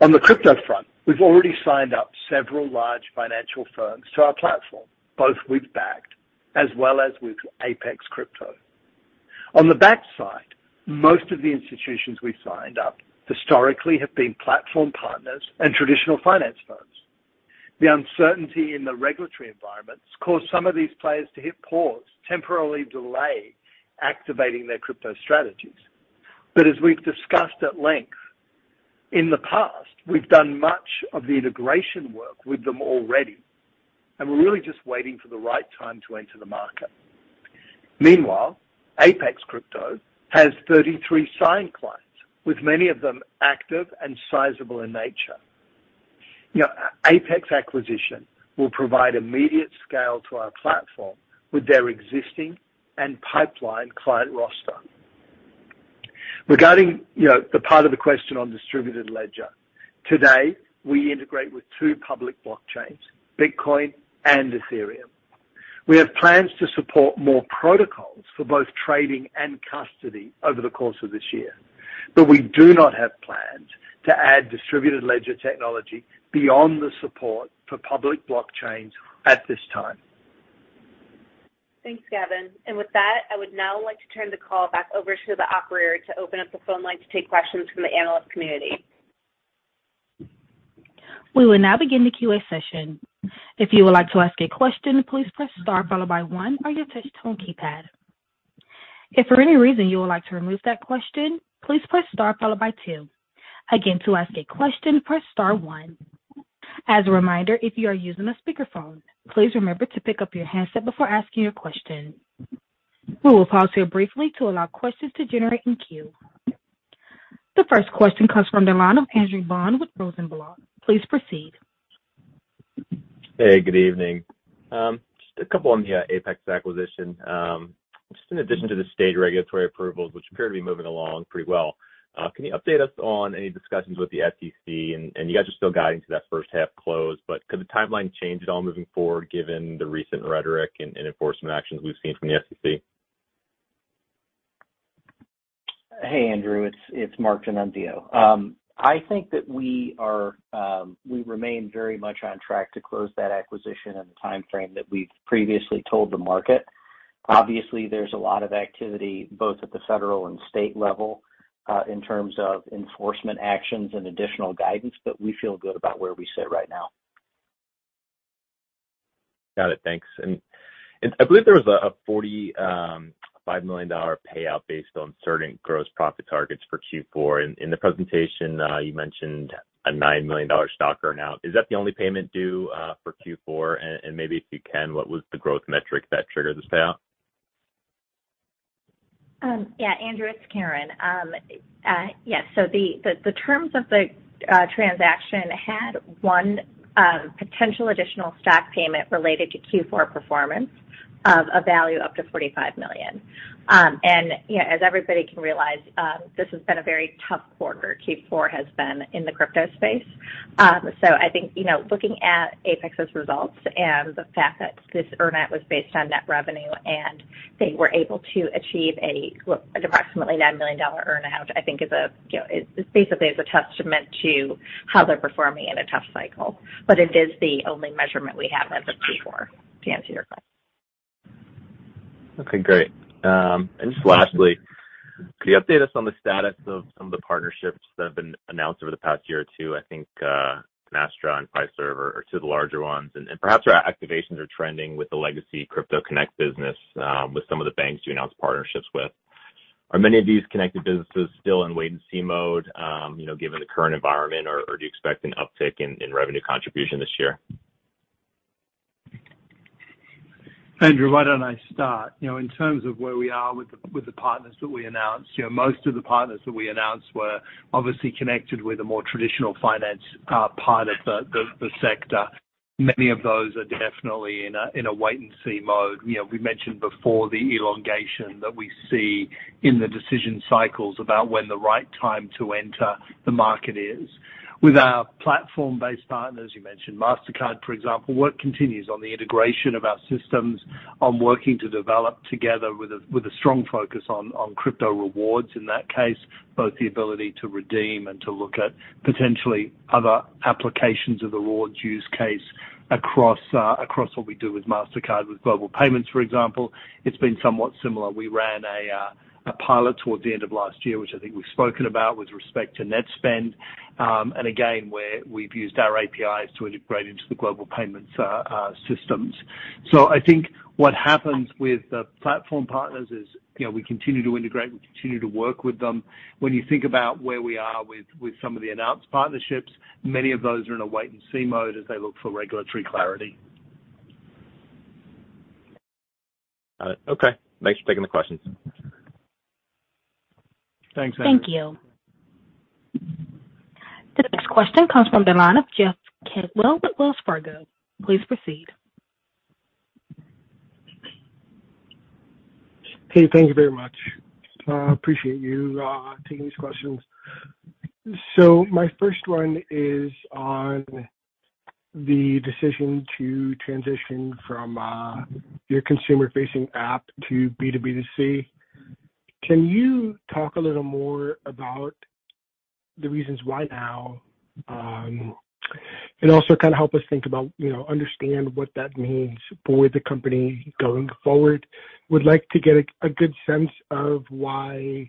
On the crypto front, we've already signed up several large financial firms to our platform, both with Bakkt as well as with Apex Crypto. On the Bakkt side, most of the institutions we signed up historically have been platform partners and traditional finance firms. The uncertainty in the regulatory environment has caused some of these players to hit pause, temporarily delay activating their crypto strategies. As we've discussed at length in the past, we've done much of the integration work with them already, and we're really just waiting for the right time to enter the market. Meanwhile, Apex Crypto has 33 signed clients, with many of them active and sizable in nature. You know, Apex acquisition will provide immediate scale to our platform with their existing and pipeline client roster. Regarding, you know, the part of the question on distributed ledger, today, we integrate with 2 public blockchains, Bitcoin and Ethereum. We have plans to support more protocols for both trading and custody over the course of this year. We do not have plans to add distributed ledger technology beyond the support for public blockchains at this time. Thanks, Gavin. With that, I would now like to turn the call back over to the operator to open up the phone line to take questions from the analyst community. We will now begin the Q&A session. If you would like to ask a question, please press star followed by 1 on your touch tone keypad. If for any reason you would like to remove that question, please press star followed by 2. Again, to ask a question, press star 1. As a reminder, if you are using a speakerphone, please remember to pick up your handset before asking your question. We will pause here briefly to allow questions to generate in queue. The first question comes from the line of Andrew Bond with Rosenblatt. Please proceed. Hey, good evening. Just a couple on the Apex acquisition. Just in addition to the state regulatory approvals, which appear to be moving along pretty well, can you update us on any discussions with the SEC? You guys are still guiding to that first half close, but could the timeline change at all moving forward given the recent rhetoric and enforcement actions we've seen from the SEC? Hey, Andrew. It's Marc D'Annunzio. I think that we are, we remain very much on track to close that acquisition in the timeframe that we've previously told the market. There's a lot of activity both at the federal and state level, in terms of enforcement actions and additional guidance. We feel good about where we sit right now. Got it. Thanks. I believe there was a $45 million payout based on certain gross profit targets for Q4. In the presentation, you mentioned a $9 million stock earn-out. Is that the only payment due for Q4? Maybe if you can, what was the growth metric that triggered this payout? Yeah, Andrew, it's Karen. Yes. The terms of the transaction had one potential additional stock payment related to Q4 performance of a value up to $45 million. And, you know, as everybody can realize, this has been a very tough quarter, Q4 has been in the crypto space. I think, you know, looking at Apex's results and the fact that this earn-out was based on net revenue, and they were able to achieve an approximately $9 million earn-out, I think is a, you know, it basically is a testament to how they're performing in a tough cycle. It is the only measurement we have as of Q4 to answer your question. Okay, great. Just lastly, could you update us on the status of some of the partnerships that have been announced over the past year or 2? I think Astra and Prime Trust are 2 of the larger ones. Perhaps your activations are trending with the legacy Crypto Connect business with some of the banks you announced partnerships with. Are many of these connected businesses still in wait-and-see mode, you know, given the current environment or do you expect an uptick in revenue contribution this year? Andrew, why don't I start? You know, in terms of where we are with the partners that we announced. You know, most of the partners that we announced were obviously connected with a more traditional finance part of the sector. Many of those are definitely in a wait-and-see mode. You know, we mentioned before the elongation that we see in the decision cycles about when the right time to enter the market is. With our platform-based partners, you mentioned Mastercard, for example, work continues on the integration of our systems on working to develop together with a strong focus on Crypto Rewards. In that case, both the ability to redeem and to look at potentially other applications of the rewards use case across what we do with Mastercard, with Global Payments, for example, it's been somewhat similar. We ran a pilot towards the end of last year, which I think we've spoken about with respect to Netspend, and again, where we've used our APIs to integrate into the Global Payments systems. I think what happens with the platform partners is, you know, we continue to integrate, we continue to work with them. When you think about where we are with some of the announced partnerships, many of those are in a wait-and-see mode as they look for regulatory clarity. Got it. Okay. Thanks for taking the questions. Thanks, Andrew. Thank you. The next question comes from the line of Jeff Cantwell with Wells Fargo. Please proceed. Thank you very much. Appreciate you taking these questions. My first one is on the decision to transition from your consumer-facing app to B2B2C. Can you talk a little more about the reasons why now? Also kinda help us think about, you know, understand what that means for the company going forward. Would like to get a good sense of why,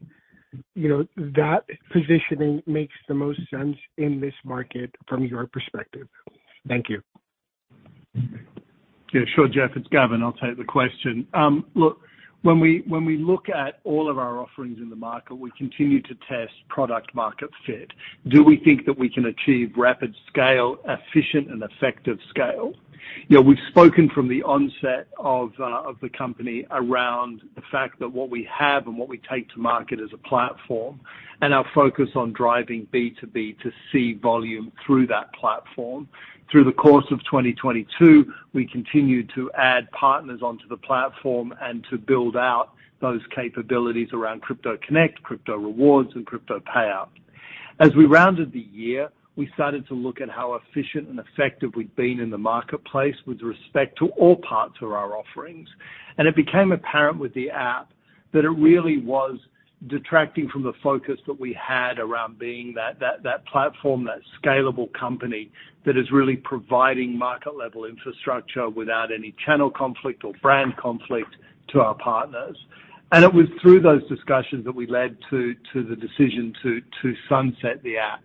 you know, that positioning makes the most sense in this market from your perspective. Thank you. Sure, Jeff. It's Gavin. I'll take the question. Look, when we look at all of our offerings in the market, we continue to test product market fit. Do we think that we can achieve rapid scale, efficient and effective scale? You know, we've spoken from the onset of the company around the fact that what we have and what we take to market as a platform and our focus on driving B2B2C volume through that platform. Through the course of 2022, we continued to add partners onto the platform and to build out those capabilities around Crypto Connect, Crypto Rewards, and Crypto Payout. As we rounded the year, we started to look at how efficient and effective we'd been in the marketplace with respect to all parts of our offerings. It became apparent with the app that it really was detracting from the focus that we had around being that platform, that scalable company that is really providing market-level infrastructure without any channel conflict or brand conflict to our partners. It was through those discussions that we led to the decision to sunset the app.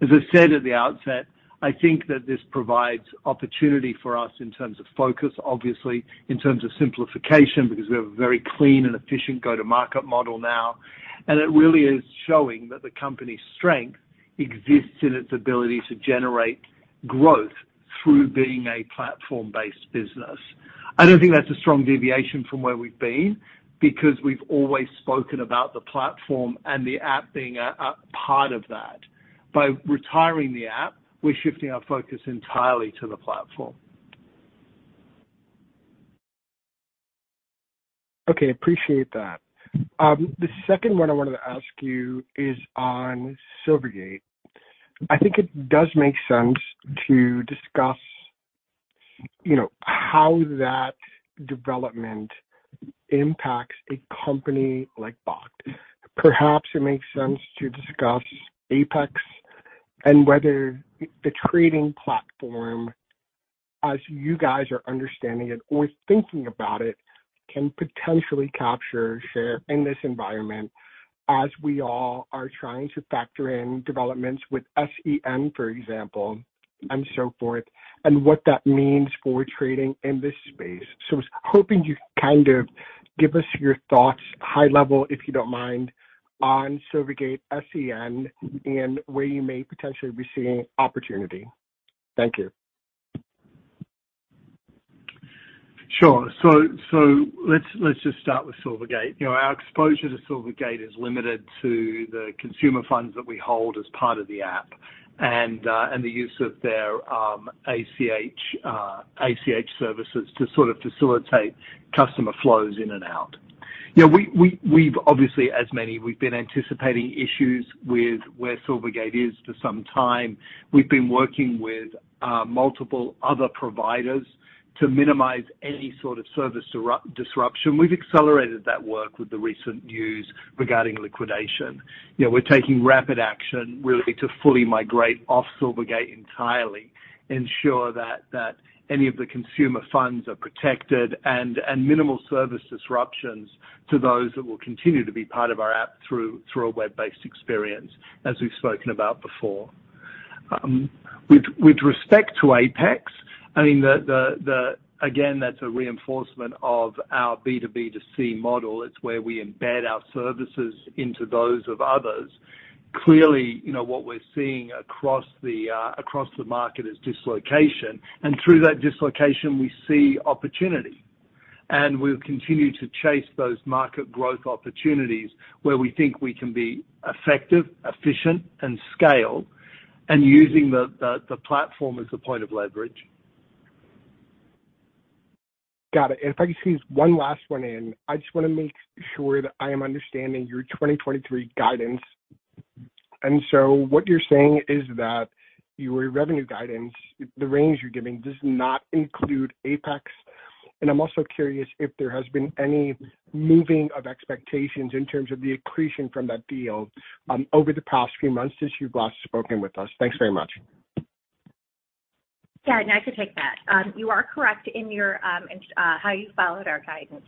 As I said at the outset, I think that this provides opportunity for us in terms of focus, obviously, in terms of simplification, because we have a very clean and efficient go-to-market model now, and it really is showing that the company's strength exists in its ability to generate growth through being a platform-based business. I don't think that's a strong deviation from where we've been because we've always spoken about the platform and the app being a part of that. By retiring the app, we're shifting our focus entirely to the platform. Okay. Appreciate that. The second one I wanted to ask you is on Silvergate. I think it does make sense to discuss, you know, how that development impacts a company like Bakkt. Perhaps it makes sense to discuss Apex and whether the trading platform, as you guys are understanding it or thinking about it, can potentially capture share in this environment as we all are trying to factor in developments with FTX, for example, and so forth, and what that means for trading in this space. I was hoping you kind of give us your thoughts, high level, if you don't mind, on Silvergate, FTX, and where you may potentially be seeing opportunity. Thank you. Sure. Let's just start with Silvergate. You know, our exposure to Silvergate is limited to the consumer funds that we hold as part of the app and the use of their ACH services to sort of facilitate customer flows in and out. You know, we've obviously, as many, we've been anticipating issues with where Silvergate is for some time. We've been working with multiple other providers to minimize any sort of service disruption. We've accelerated that work with the recent news regarding liquidation. You know, we're taking rapid action really to fully migrate off Silvergate entirely, ensure that any of the consumer funds are protected and minimal service disruptions to those that will continue to be part of our app through a web-based experience, as we've spoken about before. With respect to Apex, I mean, the again, that's a reinforcement of our B2B2C model. It's where we embed our services into those of others. Clearly, you know, what we're seeing across the market is dislocation. Through that dislocation we see opportunity. We'll continue to chase those market growth opportunities where we think we can be effective, efficient and scale, and using the platform as a point of leverage. Got it. If I could squeeze one last one in. I just wanna make sure that I am understanding your 2023 guidance. What you're saying is that your revenue guidance, the range you're giving, does not include Apex. I'm also curious if there has been any moving of expectations in terms of the accretion from that deal over the past few months since you've last spoken with us. Thanks very much. I can take that. You are correct in your, in, how you followed our guidance.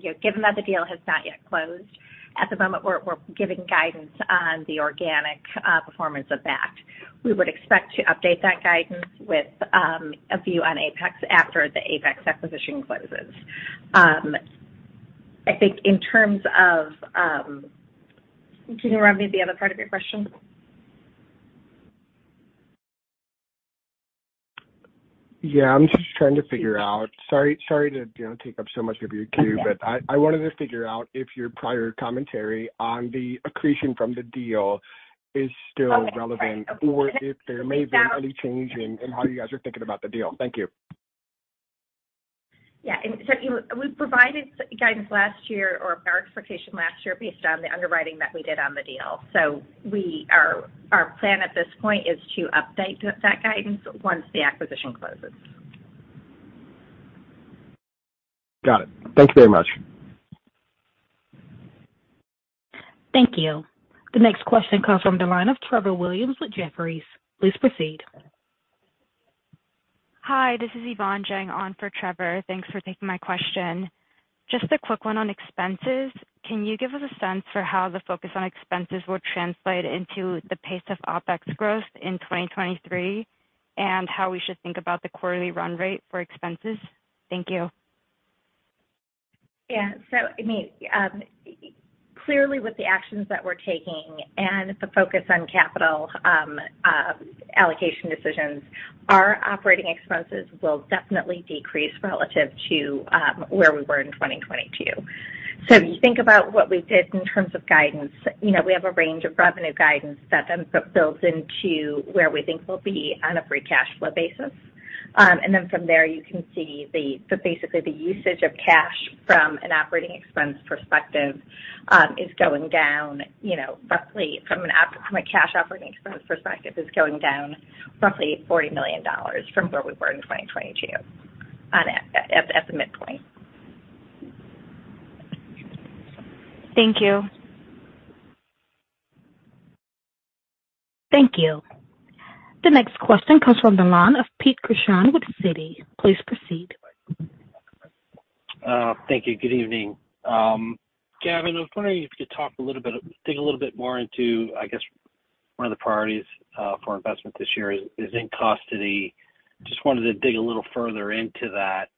You know, given that the deal has not yet closed, at the moment we're giving guidance on the organic, performance of that. We would expect to update that guidance with, a view on Apex after the Apex acquisition closes. I think in terms of, Can you remind me of the other part of your question? Yeah, I'm just trying to figure out. Sorry, sorry to, you know, take up so much of your queue. Okay. I wanted to figure out if your prior commentary on the accretion from the deal is still relevant. Okay. Sorry. If there may be any change in how you guys are thinking about the deal. Thank you. Yeah. We provided guidance last year or our expectation last year based on the underwriting that we did on the deal. Our plan at this point is to update that guidance once the acquisition closes. Got it. Thank you very much. Thank you. The next question comes from the line of Trevor Williams with Jefferies. Please proceed. Hi, this is Yvonne Jiang on for Trevor. Thanks for taking my question. Just a quick one on expenses. Can you give us a sense for how the focus on expenses will translate into the pace of OpEx growth in 2023, and how we should think about the quarterly run rate for expenses? Thank you. Yeah. I mean, clearly with the actions that we're taking and the focus on capital allocation decisions, our operating expenses will definitely decrease relative to where we were in 2022. If you think about what we did in terms of guidance, you know, we have a range of revenue guidance that then builds into where we think we'll be on a free cash flow basis. From there you can see the, basically the usage of cash from a cash operating expense perspective, is going down, you know, roughly from a cash operating expense perspective, is going down roughly $40 million from where we were in 2022 on it, at the midpoint. Thank you. Thank you. The next question comes from the line of Pete Krishan with Citi. Please proceed. Thank you. Good evening. Gavin, I was wondering if you could talk a little bit, dig a little bit more into, I guess, one of the priorities for investment this year is in custody. Just wanted to dig a little further into that.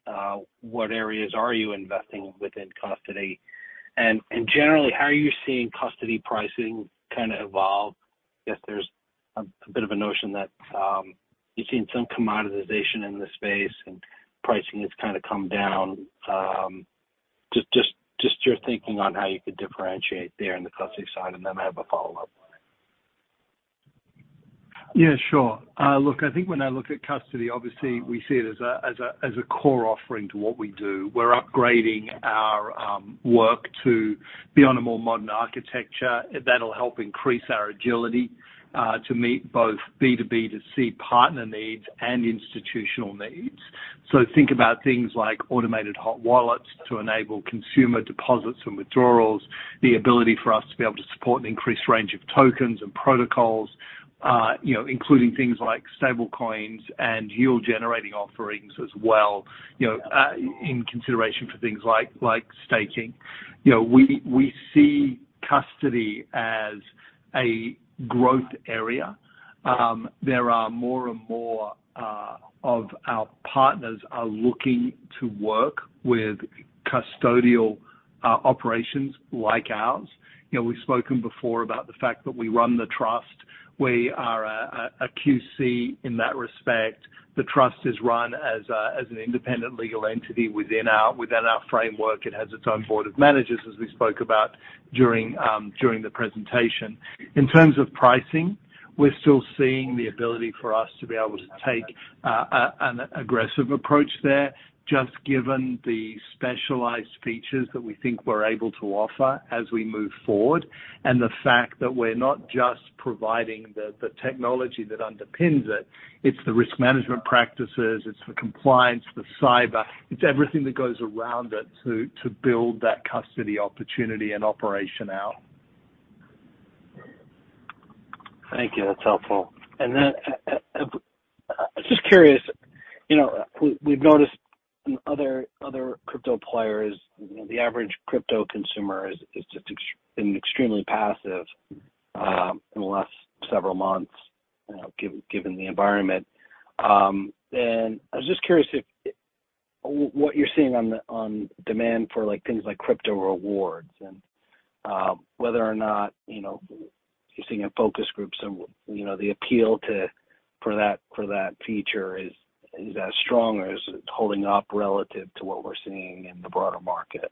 What areas are you investing within custody? Generally, how are you seeing custody pricing kind of evolve? Guess there's a bit of a notion that you've seen some commoditization in the space and pricing has kinda come down. Your thinking on how you could differentiate there in the custody side, and then I have a follow-up. Yeah, sure. Look, I think when I look at custody, obviously we see it as a core offering to what we do. We're upgrading our work to be on a more modern architecture that'll help increase our agility to meet both B2B2C partner needs and institutional needs. Think about things like automated hot wallets to enable consumer deposits and withdrawals, the ability for us to be able to support an increased range of tokens and protocols, you know, including things like stablecoins and yield generating offerings as well, you know, in consideration for things like staking. You know, we see custody as a growth area. There are more and more of our partners are looking to work with custodial operations like ours. You know, we've spoken before about the fact that we run the trust. We are a QC in that respect. The trust is run as an independent legal entity within our framework. It has its own board of managers, as we spoke about during the presentation. In terms of pricing, we're still seeing the ability for us to be able to take an aggressive approach there, just given the specialized features that we think we're able to offer as we move forward, and the fact that we're not just providing the technology that underpins it's the risk management practices, it's the compliance, the cyber, it's everything that goes around it to build that custody opportunity and operation out. Thank you. That's helpful. Just curious, you know, we've noticed some other crypto players, you know, the average crypto consumer is just been extremely passive in the last several months, you know, given the environment. I was just curious what you're seeing on demand for like things like Crypto Rewards and whether or not, you know, you're seeing in focus groups and, you know, the appeal for that feature is as strong or is it holding up relative to what we're seeing in the broader market?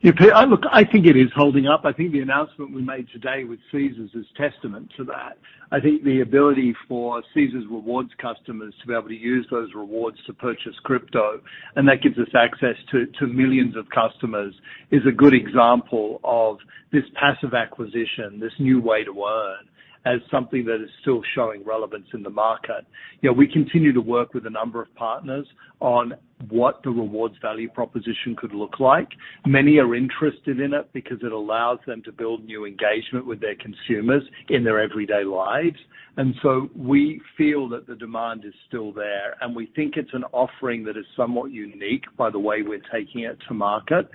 Yeah, look, I think it is holding up. I think the announcement we made today with Caesars is testament to that. I think the ability for Caesars rewards customers to be able to use those rewards to purchase crypto, and that gives us access to millions of customers, is a good example of this passive acquisition, this new way to earn, as something that is still showing relevance in the market. You know, we continue to work with a number of partners on what the rewards value proposition could look like. Many are interested in it because it allows them to build new engagement with their consumers in their everyday lives. We feel that the demand is still there, and we think it's an offering that is somewhat unique by the way we're taking it to market.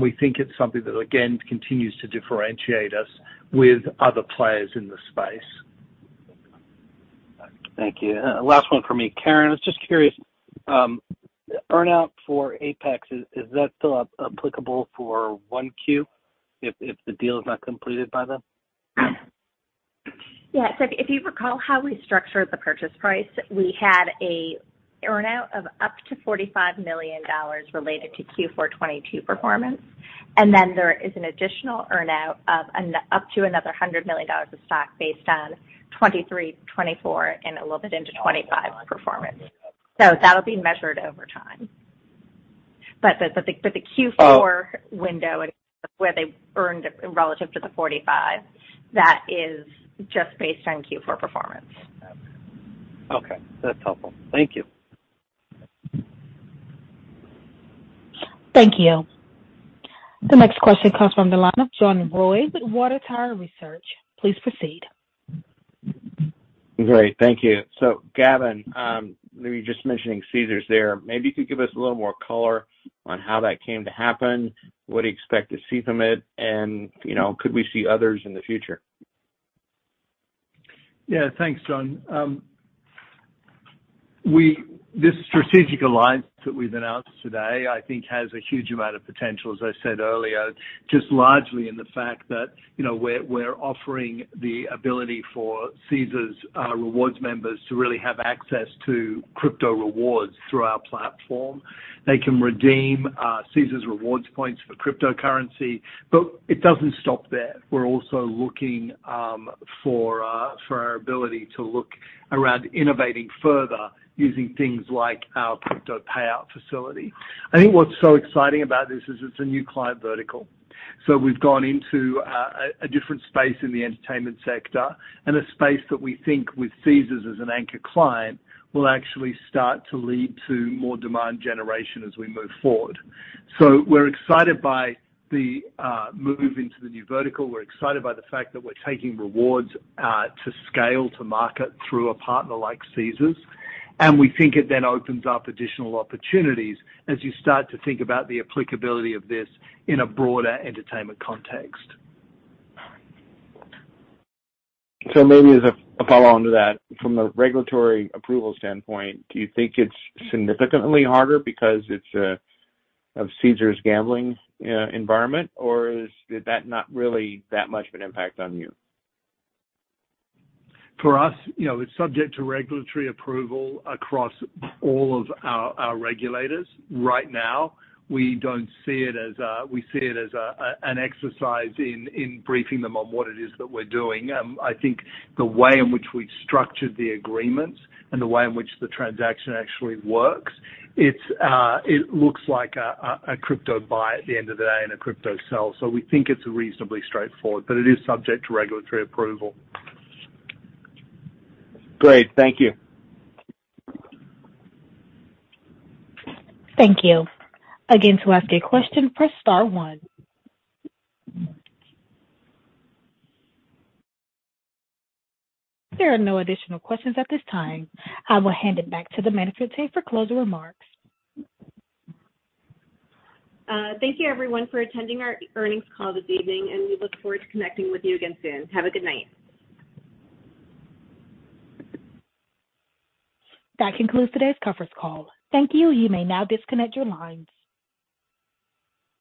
We think it's something that, again, continues to differentiate us with other players in the space. Thank you. Last one for me. Karen, I was just curious, earn-out for Apex, is that still applicable for 1Q if the deal is not completed by then? Yeah. If you recall how we structured the purchase price, we had a earn-out of up to $45 million related to Q4 2022 performance. There is an additional earn-out of up to another $100 million of stock based on 2023, 2024, and a little bit into 2025 performance. That'll be measured over time. The Q4 window where they earned relative to the 45, that is just based on Q4 performance. Okay. That's helpful. Thank you. Thank you. The next question comes from the line of John Roy with Water Tower Research. Please proceed. Great. Thank you. Gavin, you were just mentioning Caesars there. Maybe you could give us a little more color on how that came to happen. What do you expect to see from it? You know, could we see others in the future? Thanks, John. This strategic alliance that we've announced today, I think has a huge amount of potential, as I said earlier, just largely in the fact that, you know, we're offering the ability for Caesars rewards members to really have access to Crypto Rewards through our platform. They can redeem Caesars rewards points for cryptocurrency, but it doesn't stop there. We're also looking for our ability to look around innovating further using things like our Crypto Payout facility. I think what's so exciting about this is it's a new client vertical. We've gone into a different space in the entertainment sector and a space that we think with Caesars as an anchor client will actually start to lead to more demand generation as we move forward. We're excited by the move into the new vertical. We're excited by the fact that we're taking rewards to scale to market through a partner like Caesars. We think it then opens up additional opportunities as you start to think about the applicability of this in a broader entertainment context. Maybe as a follow-on to that, from a regulatory approval standpoint, do you think it's significantly harder because it's of Caesars gambling environment, or did that not really that much of an impact on you? For us, you know, it's subject to regulatory approval across all of our regulators. Right now, we don't see it as an exercise in briefing them on what it is that we're doing. I think the way in which we've structured the agreements and the way in which the transaction actually works, it's it looks like a crypto buy at the end of the day and a crypto sell. We think it's reasonably straightforward, but it is subject to regulatory approval. Great. Thank you. Thank you. Again, to ask a question, press star one. There are no additional questions at this time. I will hand it back to the manager today for closing remarks. Thank you everyone for attending our earnings call this evening, and we look forward to connecting with you again soon. Have a good night. That concludes today's conference call. Thank you. You may now disconnect your lines.